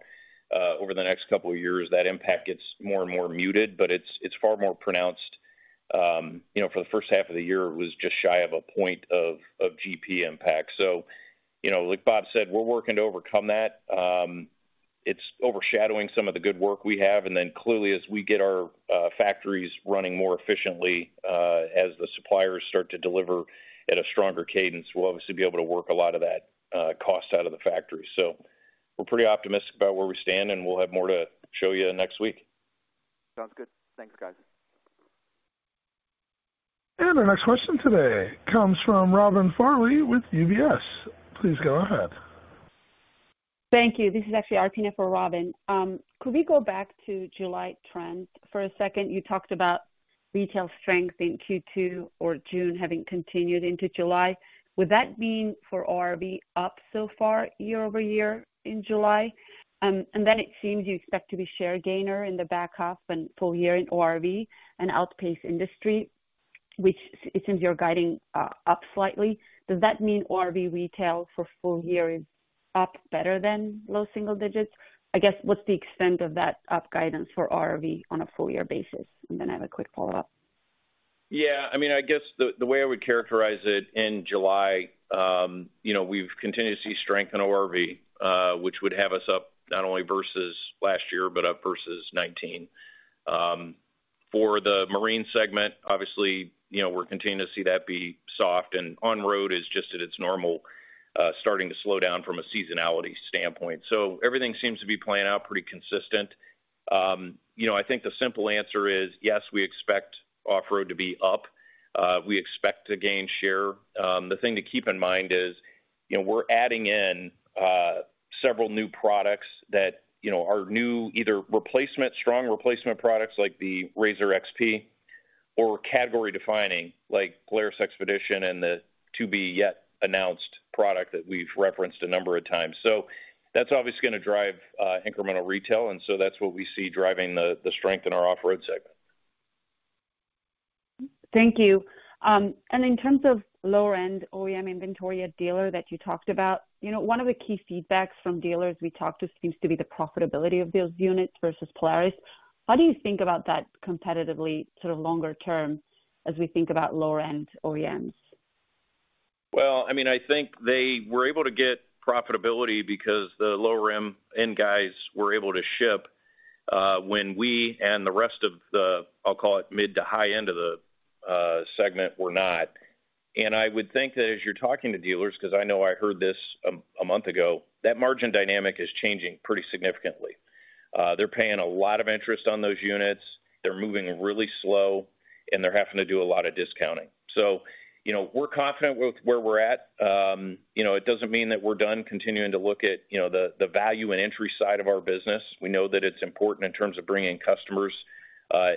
over the next couple of years, that impact gets more and more muted, but it's far more pronounced. You know, for the first half of the year, it was just shy of a point of GP impact. You know, like Bob said, we're working to overcome that. It's overshadowing some of the good work we have. Clearly, as we get our factories running more efficiently, as the suppliers start to deliver at a stronger cadence, we'll obviously be able to work a lot of that cost out of the factory. We're pretty optimistic about where we stand, and we'll have more to show you next week. Sounds good. Thanks, guys. Our next question today comes from Robin Farley with UBS. Please go ahead. Thank you. This is actually Arpine for Robin. Could we go back to July trends for a second? You talked about retail strength in Q2 or June having continued into July. Would that mean for ORV, up so far year-over-year in July? It seems you expect to be share gainer in the back half and full year in ORV and outpace industry, which it seems you're guiding, up slightly. Does that mean ORV retail for full year is up better than low single digits? I guess, what's the extent of that up guidance for ORV on a full year basis? I have a quick follow-up. Yeah, I mean, I guess the way I would characterize it in July, you know, we've continued to see strength in ORV, which would have us up not only versus last year, but up versus 2019. For the marine segment, obviously, you know, we're continuing to see that be soft and on road is just at its normal, starting to slow down from a seasonality standpoint. Everything seems to be playing out pretty consistent. You know, I think the simple answer is, yes, we expect off-road to be up. We expect to gain share. The thing to keep in mind is, you know, we're adding in several new products that, you know, are new, either replacement, strong replacement products like the RZR XP or category defining, like Polaris XPEDITION and the to-be-yet-announced product that we've referenced a number of times. That's obviously going to drive incremental retail, and so that's what we see driving the strength in our off-road segment. Thank you. In terms of lower-end OEM inventory, a dealer that you talked about, you know, one of the key feedbacks from dealers we talked to seems to be the profitability of those units versus Polaris. How do you think about that competitively, sort of longer term as we think about lower-end OEMs? Well, I mean, I think they were able to get profitability because the lower-end guys were able to ship, when we and the rest of the, I'll call it mid to high end of the, segment, were not. I would think that as you're talking to dealers, 'cause I know I heard this a month ago, that margin dynamic is changing pretty significantly. They're paying a lot of interest on those units. They're moving really slow, and they're having to do a lot of discounting. You know, we're confident with where we're at. You know, it doesn't mean that we're done continuing to look at, you know, the value and entry side of our business. We know that it's important in terms of bringing customers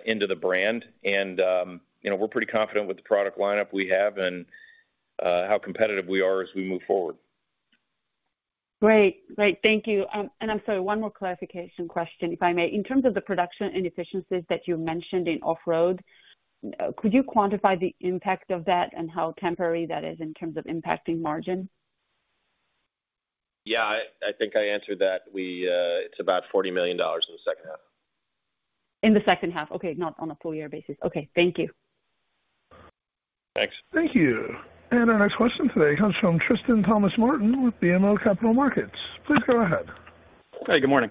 into the brand and, you know, we're pretty confident with the product lineup we have and how competitive we are as we move forward. Great. Great, thank you. I'm sorry, one more clarification question, if I may. In terms of the production inefficiencies that you mentioned in off-road, could you quantify the impact of that and how temporary that is in terms of impacting margin? Yeah, I think I answered that. We, it's about $40 million in the second half. In the second half, okay, not on a full year basis. Okay, thank you. Thanks. Thank you. Our next question today comes from Tristan Thomas-Martin with BMO Capital Markets. Please go ahead. Hey, good morning.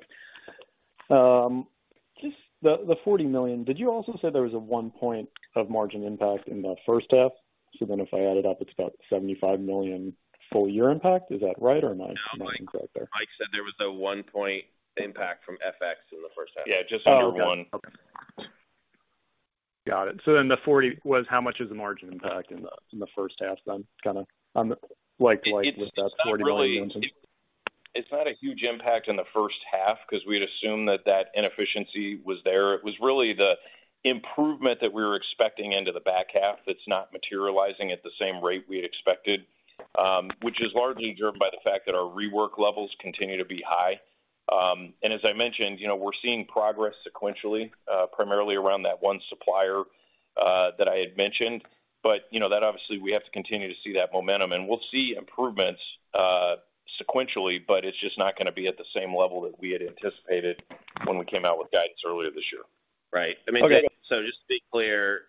just the $40 million, did you also say there was a one point of margin impact in the first half? If I add it up, it's about $75 million full year impact. Is that right or am I incorrect there? Mike said there was a one point impact from FX in the first half. Yeah, just under one. Oh, okay. Got it. The 40 was how much is the margin impact in the, in the first half then? Kinda on the like with that $40 million. It's not a huge impact in the 1st half because we'd assumed that that inefficiency was there. It was really the improvement that we were expecting into the back half that's not materializing at the same rate we had expected, which is largely driven by the fact that our rework levels continue to be high. As I mentioned, you know, we're seeing progress sequentially, primarily around that one supplier that I had mentioned. You know, that obviously we have to continue to see that momentum and we'll see improvements sequentially, but it's just not going to be at the same level that we had anticipated when we came out with guidance earlier this year. Right. I mean, just to be clear,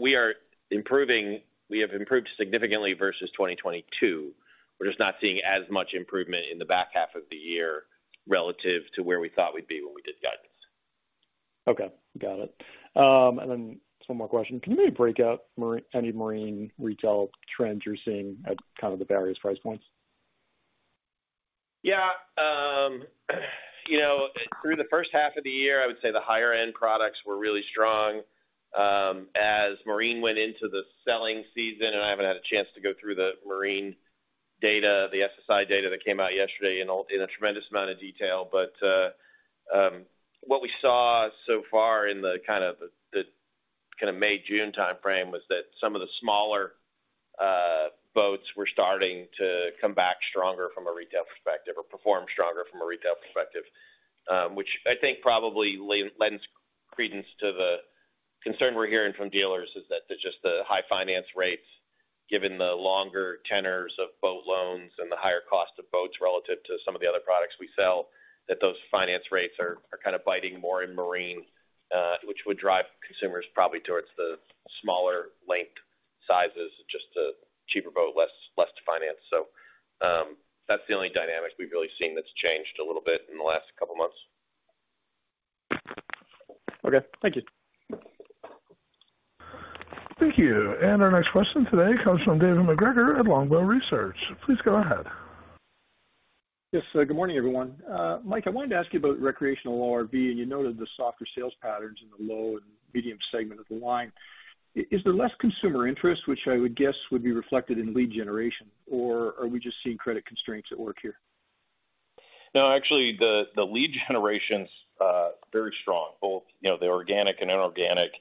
we are improving. We have improved significantly versus 2022. We're just not seeing as much improvement in the back half of the year relative to where we thought we'd be when we did guidance. Okay, got it. One more question. Can you maybe break out any marine retail trends you're seeing at kind of the various price points? Yeah, you know, through the first half of the year, I would say the higher end products were really strong. As marine went into the selling season, I haven't had a chance to go through the marine data, the SSI data that came out yesterday in a tremendous amount of detail. What we saw so far in the kind of the May-June timeframe was that some of the smaller boats were starting to come back stronger from a retail perspective or perform stronger from a retail perspective. Which I think probably lends credence to the concern we're hearing from dealers, is that the just the high finance rates, given the longer tenors of boat loans and the higher cost of boats relative to some of the other products we sell, that those finance rates are kind of biting more in marine, which would drive consumers probably towards the smaller length sizes, just a cheaper boat, less to finance. That's the only dynamic we've really seen that's changed a little bit in the last couple of months. Okay, thank you. Thank you. Our next question today comes from David MacGregor at Longbow Research. Please go ahead. Yes, good morning, everyone. Mike, I wanted to ask you about recreational ORV, and you noted the softer sales patterns in the low and medium segment of the line. Is there less consumer interest, which I would guess would be reflected in lead generation, or are we just seeing credit constraints at work here? No, actually, the lead generation's very strong, both, you know, the organic and inorganic.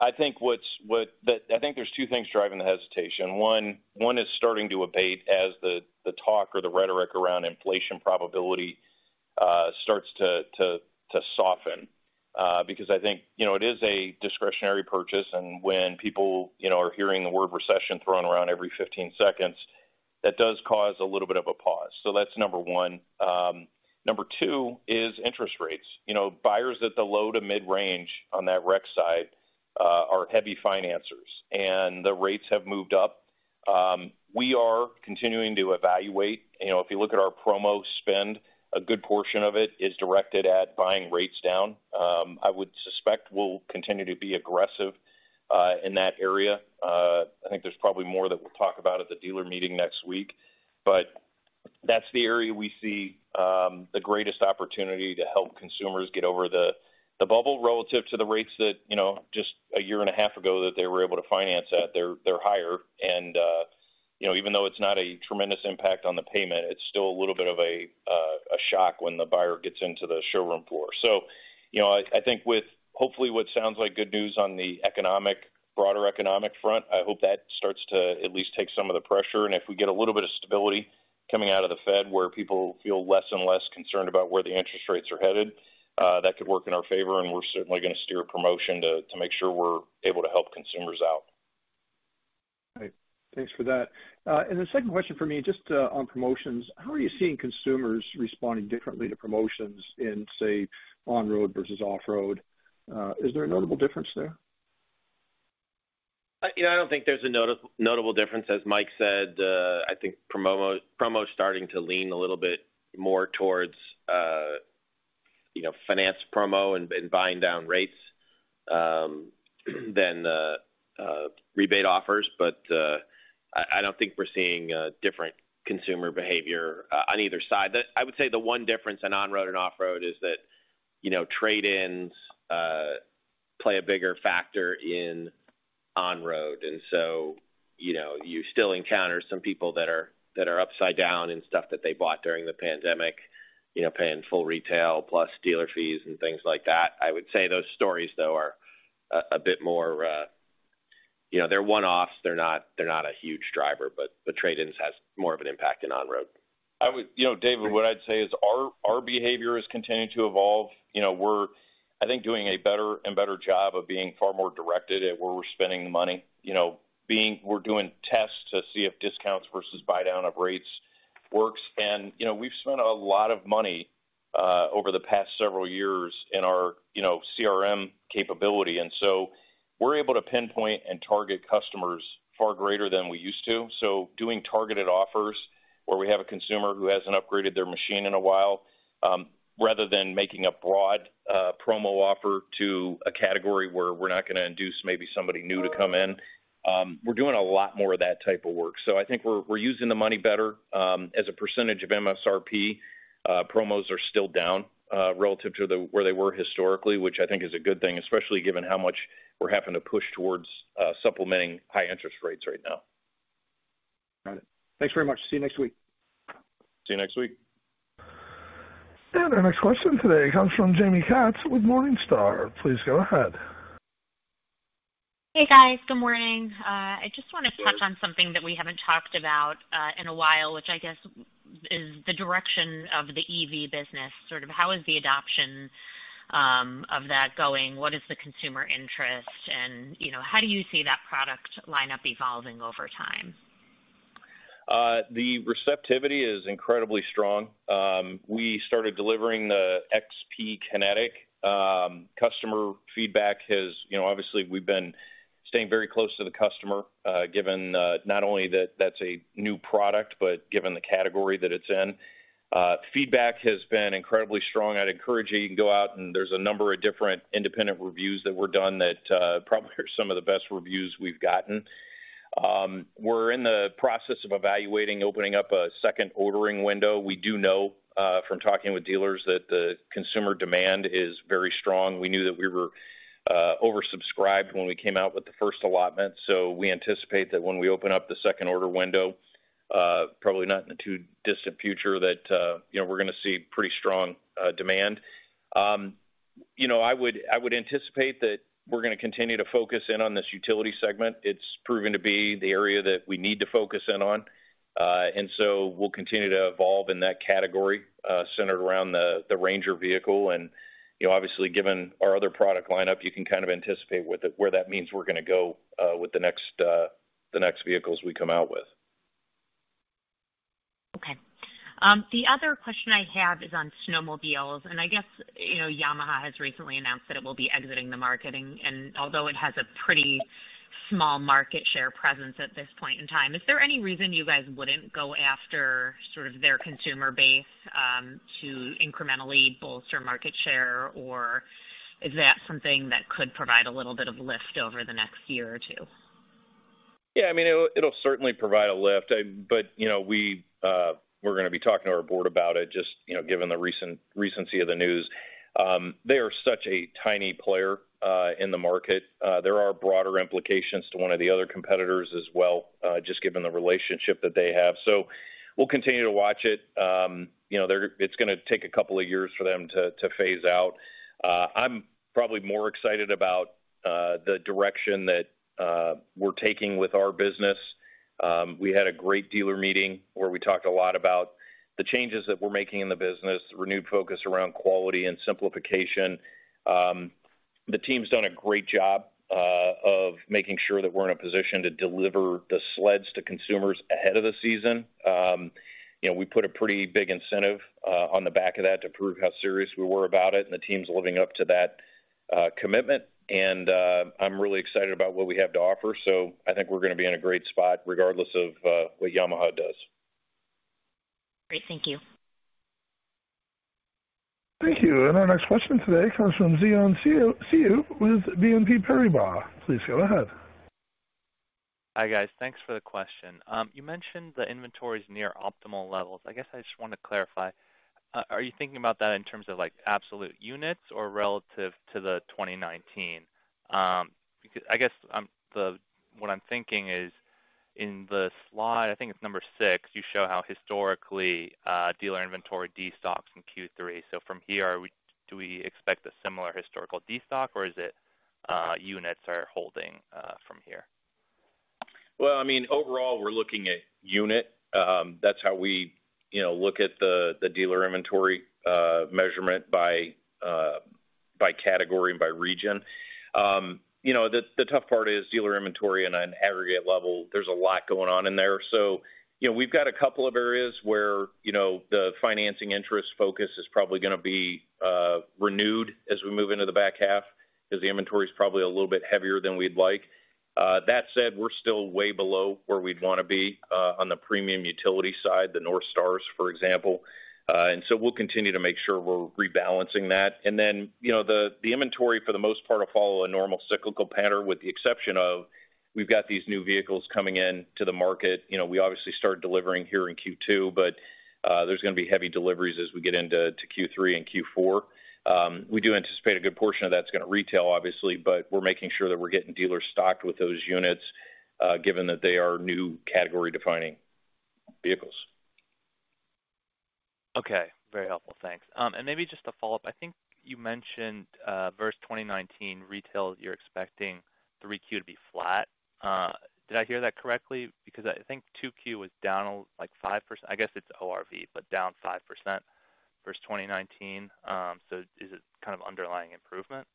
I think there's two things driving the hesitation. One is starting to abate as the talk or the rhetoric around inflation probability starts to soften. Because I think, you know, it is a discretionary purchase, and when people, you know, are hearing the word recession thrown around every 15 seconds, that does cause a little bit of a pause. That's number one. Number two is interest rates. You know, buyers at the low to mid-range on that rec side are heavy financers, and the rates have moved up. We are continuing to evaluate. You know, if you look at our promo spend, a good portion of it is directed at buying rates down. I would suspect we'll continue to be aggressive in that area. I think there's probably more that we'll talk about at the dealer meeting next week, but that's the area we see the greatest opportunity to help consumers get over the bubble relative to the rates that, you know, just a year and a half ago, that they were able to finance at. They're higher and. You know, even though it's not a tremendous impact on the payment, it's still a little bit of a shock when the buyer gets into the showroom floor. You know, I think with hopefully what sounds like good news on the broader economic front, I hope that starts to at least take some of the pressure. If we get a little bit of stability coming out of the Fed, where people feel less and less concerned about where the interest rates are headed, that could work in our favor, and we're certainly going to steer a promotion to make sure we're able to help consumers out. Right. Thanks for that. The second question for me, just on promotions: How are you seeing consumers responding differently to promotions in, say, on-road versus off-road? Is there a notable difference there? You know, I don't think there's a notable difference. As Mike said, I think promo is starting to lean a little bit more towards, you know, finance promo and buying down rates, than the rebate offers. I don't think we're seeing different consumer behavior on either side. I would say the one difference in on-road and off-road is that, you know, trade-ins, play a bigger factor in on-road. You know, you still encounter some people that are, that are upside down in stuff that they bought during the pandemic, you know, paying full retail plus dealer fees and things like that. I would say those stories, though, are a bit more... You know, they're one-offs, they're not, they're not a huge driver, but the trade-ins has more of an impact in on-road. You know, David, what I'd say is our behavior is continuing to evolve. You know, we're, I think, doing a better and better job of being far more directed at where we're spending the money. You know, we're doing tests to see if discounts versus buy down of rates works. You know, we've spent a lot of money over the past several years in our, you know, CRM capability. And so we're able to pinpoint and target customers far greater than we used to. Doing targeted offers, where we have a consumer who hasn't upgraded their machine in a while, rather than making a broad promo offer to a category where we're not going to induce maybe somebody new to come in. We're doing a lot more of that type of work. I think we're using the money better. As a percentage of MSRP, promos are still down relative to the where they were historically, which I think is a good thing, especially given how much we're having to push towards supplementing high interest rates right now. Got it. Thanks very much. See you next week. See you next week. Our next question today comes from Jaime Katz with Morningstar. Please go ahead. Hey, guys. Good morning. I just want to touch on something that we haven't talked about in a while, which I guess is the direction of the EV business. Sort of, how is the adoption of that going? What is the consumer interest? You know, how do you see that product lineup evolving over time? The receptivity is incredibly strong. We started delivering the XP Kinetic. You know, obviously, we've been staying very close to the customer, given not only that's a new product, but given the category that it's in. Feedback has been incredibly strong. I'd encourage you can go out, and there's a number of different independent reviews that were done that probably are some of the best reviews we've gotten. We're in the process of evaluating, opening up a second ordering window. We do know, from talking with dealers that the consumer demand is very strong. We knew that we were oversubscribed when we came out with the first allotment. We anticipate that when we open up the second order window, probably not in the too distant future, that, you know, we're gonna see pretty strong demand. You know, I would anticipate that we're gonna continue to focus in on this utility segment. It's proven to be the area that we need to focus in on. We'll continue to evolve in that category, centered around the RANGER vehicle. You know, obviously, given our other product lineup, you can kind of anticipate with it, where that means we're gonna go with the next vehicles we come out with. The other question I have is on snowmobiles, I guess, you know, Yamaha has recently announced that it will be exiting the market. Although it has a pretty small market share presence at this point in time, is there any reason you guys wouldn't go after sort of their consumer base to incrementally bolster market share? Is that something that could provide a little bit of lift over the next year or two? Yeah, I mean, it'll certainly provide a lift. I, you know, we're gonna be talking to our board about it, just, you know, given the recent-recency of the news. They are such a tiny player in the market. There are broader implications to one of the other competitors as well, just given the relationship that they have. We'll continue to watch it. You know, it's gonna take a couple of years for them to phase out. I'm probably more excited about the direction that we're taking with our business. We had a great dealer meeting, where we talked a lot about the changes that we're making in the business, renewed focus around quality and simplification. The team's done a great job of making sure that we're in a position to deliver the sleds to consumers ahead of the season. You know, we put a pretty big incentive on the back of that to prove how serious we were about it, and the team's living up to that commitment. I'm really excited about what we have to offer, so I think we're gonna be in a great spot regardless of what Yamaha does. Great. Thank you. Thank you. Our next question today comes from Xian Siew with BNP Paribas. Please go ahead. Hi, guys. Thanks for the question. You mentioned the inventory's near optimal levels. I guess I just want to clarify. Are you thinking about that in terms of, like, absolute units or relative to the 2019? Because I guess what I'm thinking is, in the slide, I think it's number six, you show how historically, dealer inventory destocks in Q3. From here, do we expect a similar historical destock, or is it, units are holding, from here? Well, I mean, overall, we're looking at unit. That's how we, you know, look at the dealer inventory, measurement by category and by region. You know, the tough part is dealer inventory on an aggregate level, there's a lot going on in there. You know, we've got a couple of areas where, you know, the financing interest focus is probably going to be renewed as we move into the back half, because the inventory is probably a little bit heavier than we'd like. That said, we're still way below where we'd want to be on the premium utility side, the NorthStars, for example. We'll continue to make sure we're rebalancing that. You know, the inventory, for the most part, will follow a normal cyclical pattern, with the exception of, we've got these new vehicles coming in to the market. You know, we obviously started delivering here in Q2, but there's going to be heavy deliveries as we get into Q3 and Q4. We do anticipate a good portion of that's going to retail, obviously, but we're making sure that we're getting dealers stocked with those units, given that they are new category-defining vehicles. Okay, very helpful. Thanks. Maybe just a follow-up. I think you mentioned, versus 2019 retail, you're expecting 3Q to be flat. Did I hear that correctly? I think 2Q was down, like, 5%. I guess it's ORV, but down 5% versus 2019. Is it kind of underlying improvement?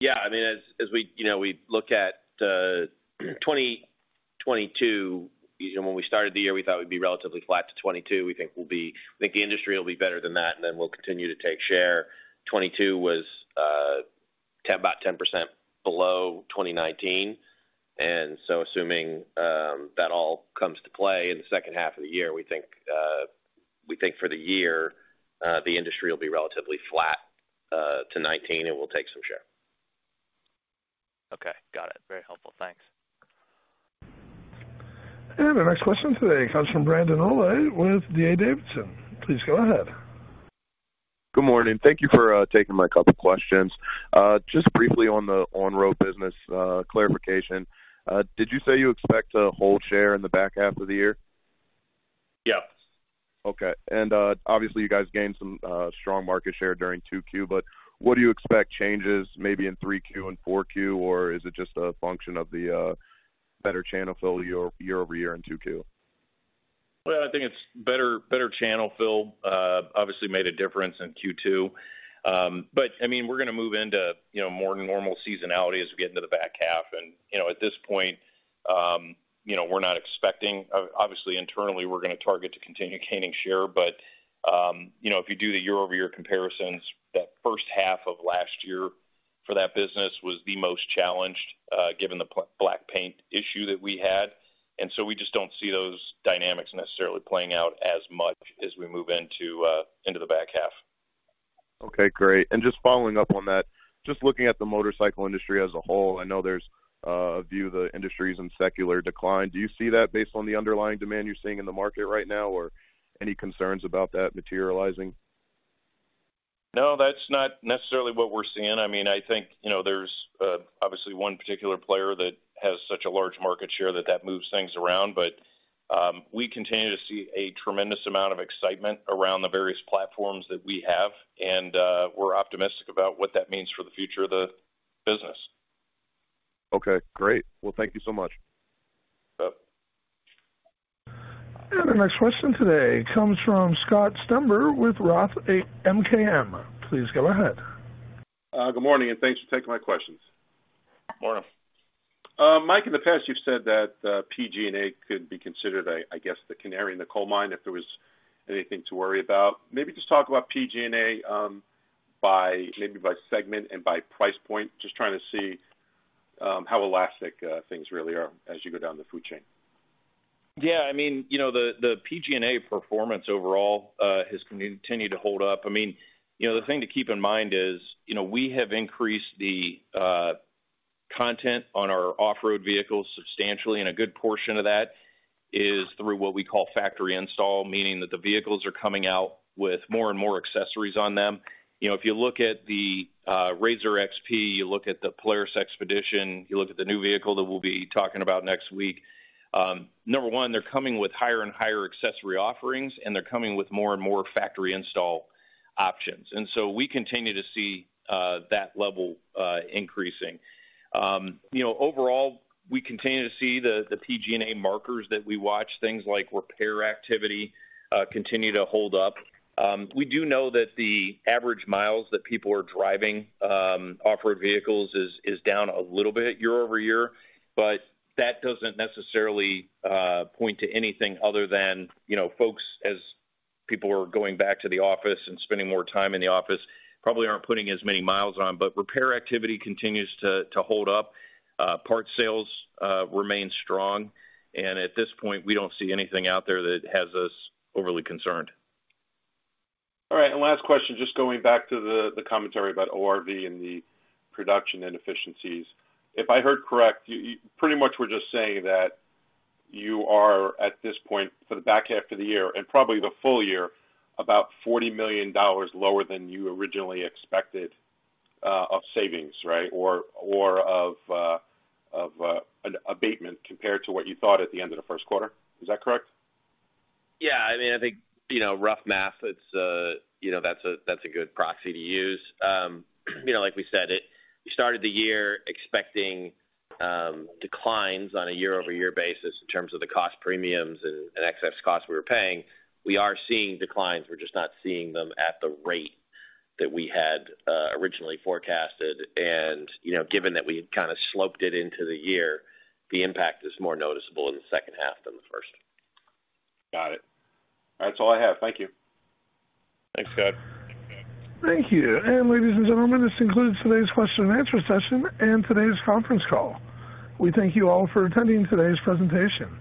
Yeah, I mean, as we, you know, we look at 2022, you know, when we started the year, we thought we'd be relatively flat to 2022. We think the industry will be better than that, and then we'll continue to take share. 2022 was about 10% below 2019. Assuming that all comes to play in the second half of the year, we think for the year, the industry will be relatively flat to 2019, and we'll take some share. Okay, got it. Very helpful. Thanks. Our next question today comes from Brandon Rollé with D.A. Davidson. Please go ahead. Good morning. Thank you for taking my couple questions. Just briefly on the on-road business, clarification. Did you say you expect to hold share in the back half of the year? Yes. Okay. Obviously, you guys gained some strong market share during 2Q, but what do you expect changes maybe in 3Q and 4Q, or is it just a function of the better channel fill year-over-year in 2Q? Well, I think it's better channel fill, obviously made a difference in Q2. I mean, we're going to move into, you know, more normal seasonality as we get into the back half. You know, at this point, you know, we're not expecting, obviously, internally, we're going to target to continue gaining share. You know, if you do the year-over-year comparisons, that first half of last year for that business was the most challenged, given the black paint issue that we had. We just don't see those dynamics necessarily playing out as much as we move into the back half. Okay, great. Just following up on that, just looking at the motorcycle industry as a whole, I know there's a view the industry is in secular decline. Do you see that based on the underlying demand you're seeing in the market right now, or any concerns about that materializing? No, that's not necessarily what we're seeing. I mean, I think, you know, there's obviously one particular player that has such a large market share that moves things around. We continue to see a tremendous amount of excitement around the various platforms that we have, and we're optimistic about what that means for the future of the business. Okay, great. Well, thank you so much. Yep. The next question today comes from Scott Stember with Roth MKM. Please go ahead. Good morning. Thanks for taking my questions. Morning. Mike, in the past, you've said that PG&A could be considered, I guess, the canary in the coal mine, if there was anything to worry about. Maybe just talk about PG&A, maybe by segment and by price point. Just trying to see how elastic things really are as you go down the food chain. Yeah, I mean, you know, the PG&A performance overall has continued to hold up. I mean, you know, the thing to keep in mind is, you know, we have increased the content on our off-road vehicles substantially, and a good portion of that is through what we call factory install, meaning that the vehicles are coming out with more and more accessories on them. You know, if you look at the RZR XP, you look at the Polaris XPEDITION, you look at the new vehicle that we'll be talking about next week. Number one, they're coming with higher and higher accessory offerings, and they're coming with more and more factory install options. We continue to see that level increasing. You know, overall, we continue to see the PG&A markers that we watch, things like repair activity, continue to hold up. We do know that the average miles that people are driving, off-road vehicles is down a little bit year-over-year, but that doesn't necessarily point to anything other than, you know, folks, as people are going back to the office and spending more time in the office, probably aren't putting as many miles on. Repair activity continues to hold up. Parts sales remain strong, and at this point, we don't see anything out there that has us overly concerned. All right, last question, just going back to the commentary about ORV and the production inefficiencies. If I heard correct, you pretty much were just saying that you are, at this point, for the back half of the year and probably the full year, about $40 million lower than you originally expected of savings, right? Or of an abatement compared to what you thought at the end of the first quarter. Is that correct? Yeah, I mean, I think, you know, rough math, it's, you know, that's a, that's a good proxy to use. You know, like we said, we started the year expecting declines on a year-over-year basis in terms of the cost premiums and excess costs we were paying. We are seeing declines. We're just not seeing them at the rate that we had originally forecasted. You know, given that we kind of sloped it into the year, the impact is more noticeable in the second half than the first. Got it. That's all I have. Thank you. Thanks, Scott. Thank you. Ladies and gentlemen, this concludes today's question and answer session and today's conference call. We thank you all for attending today's presentation.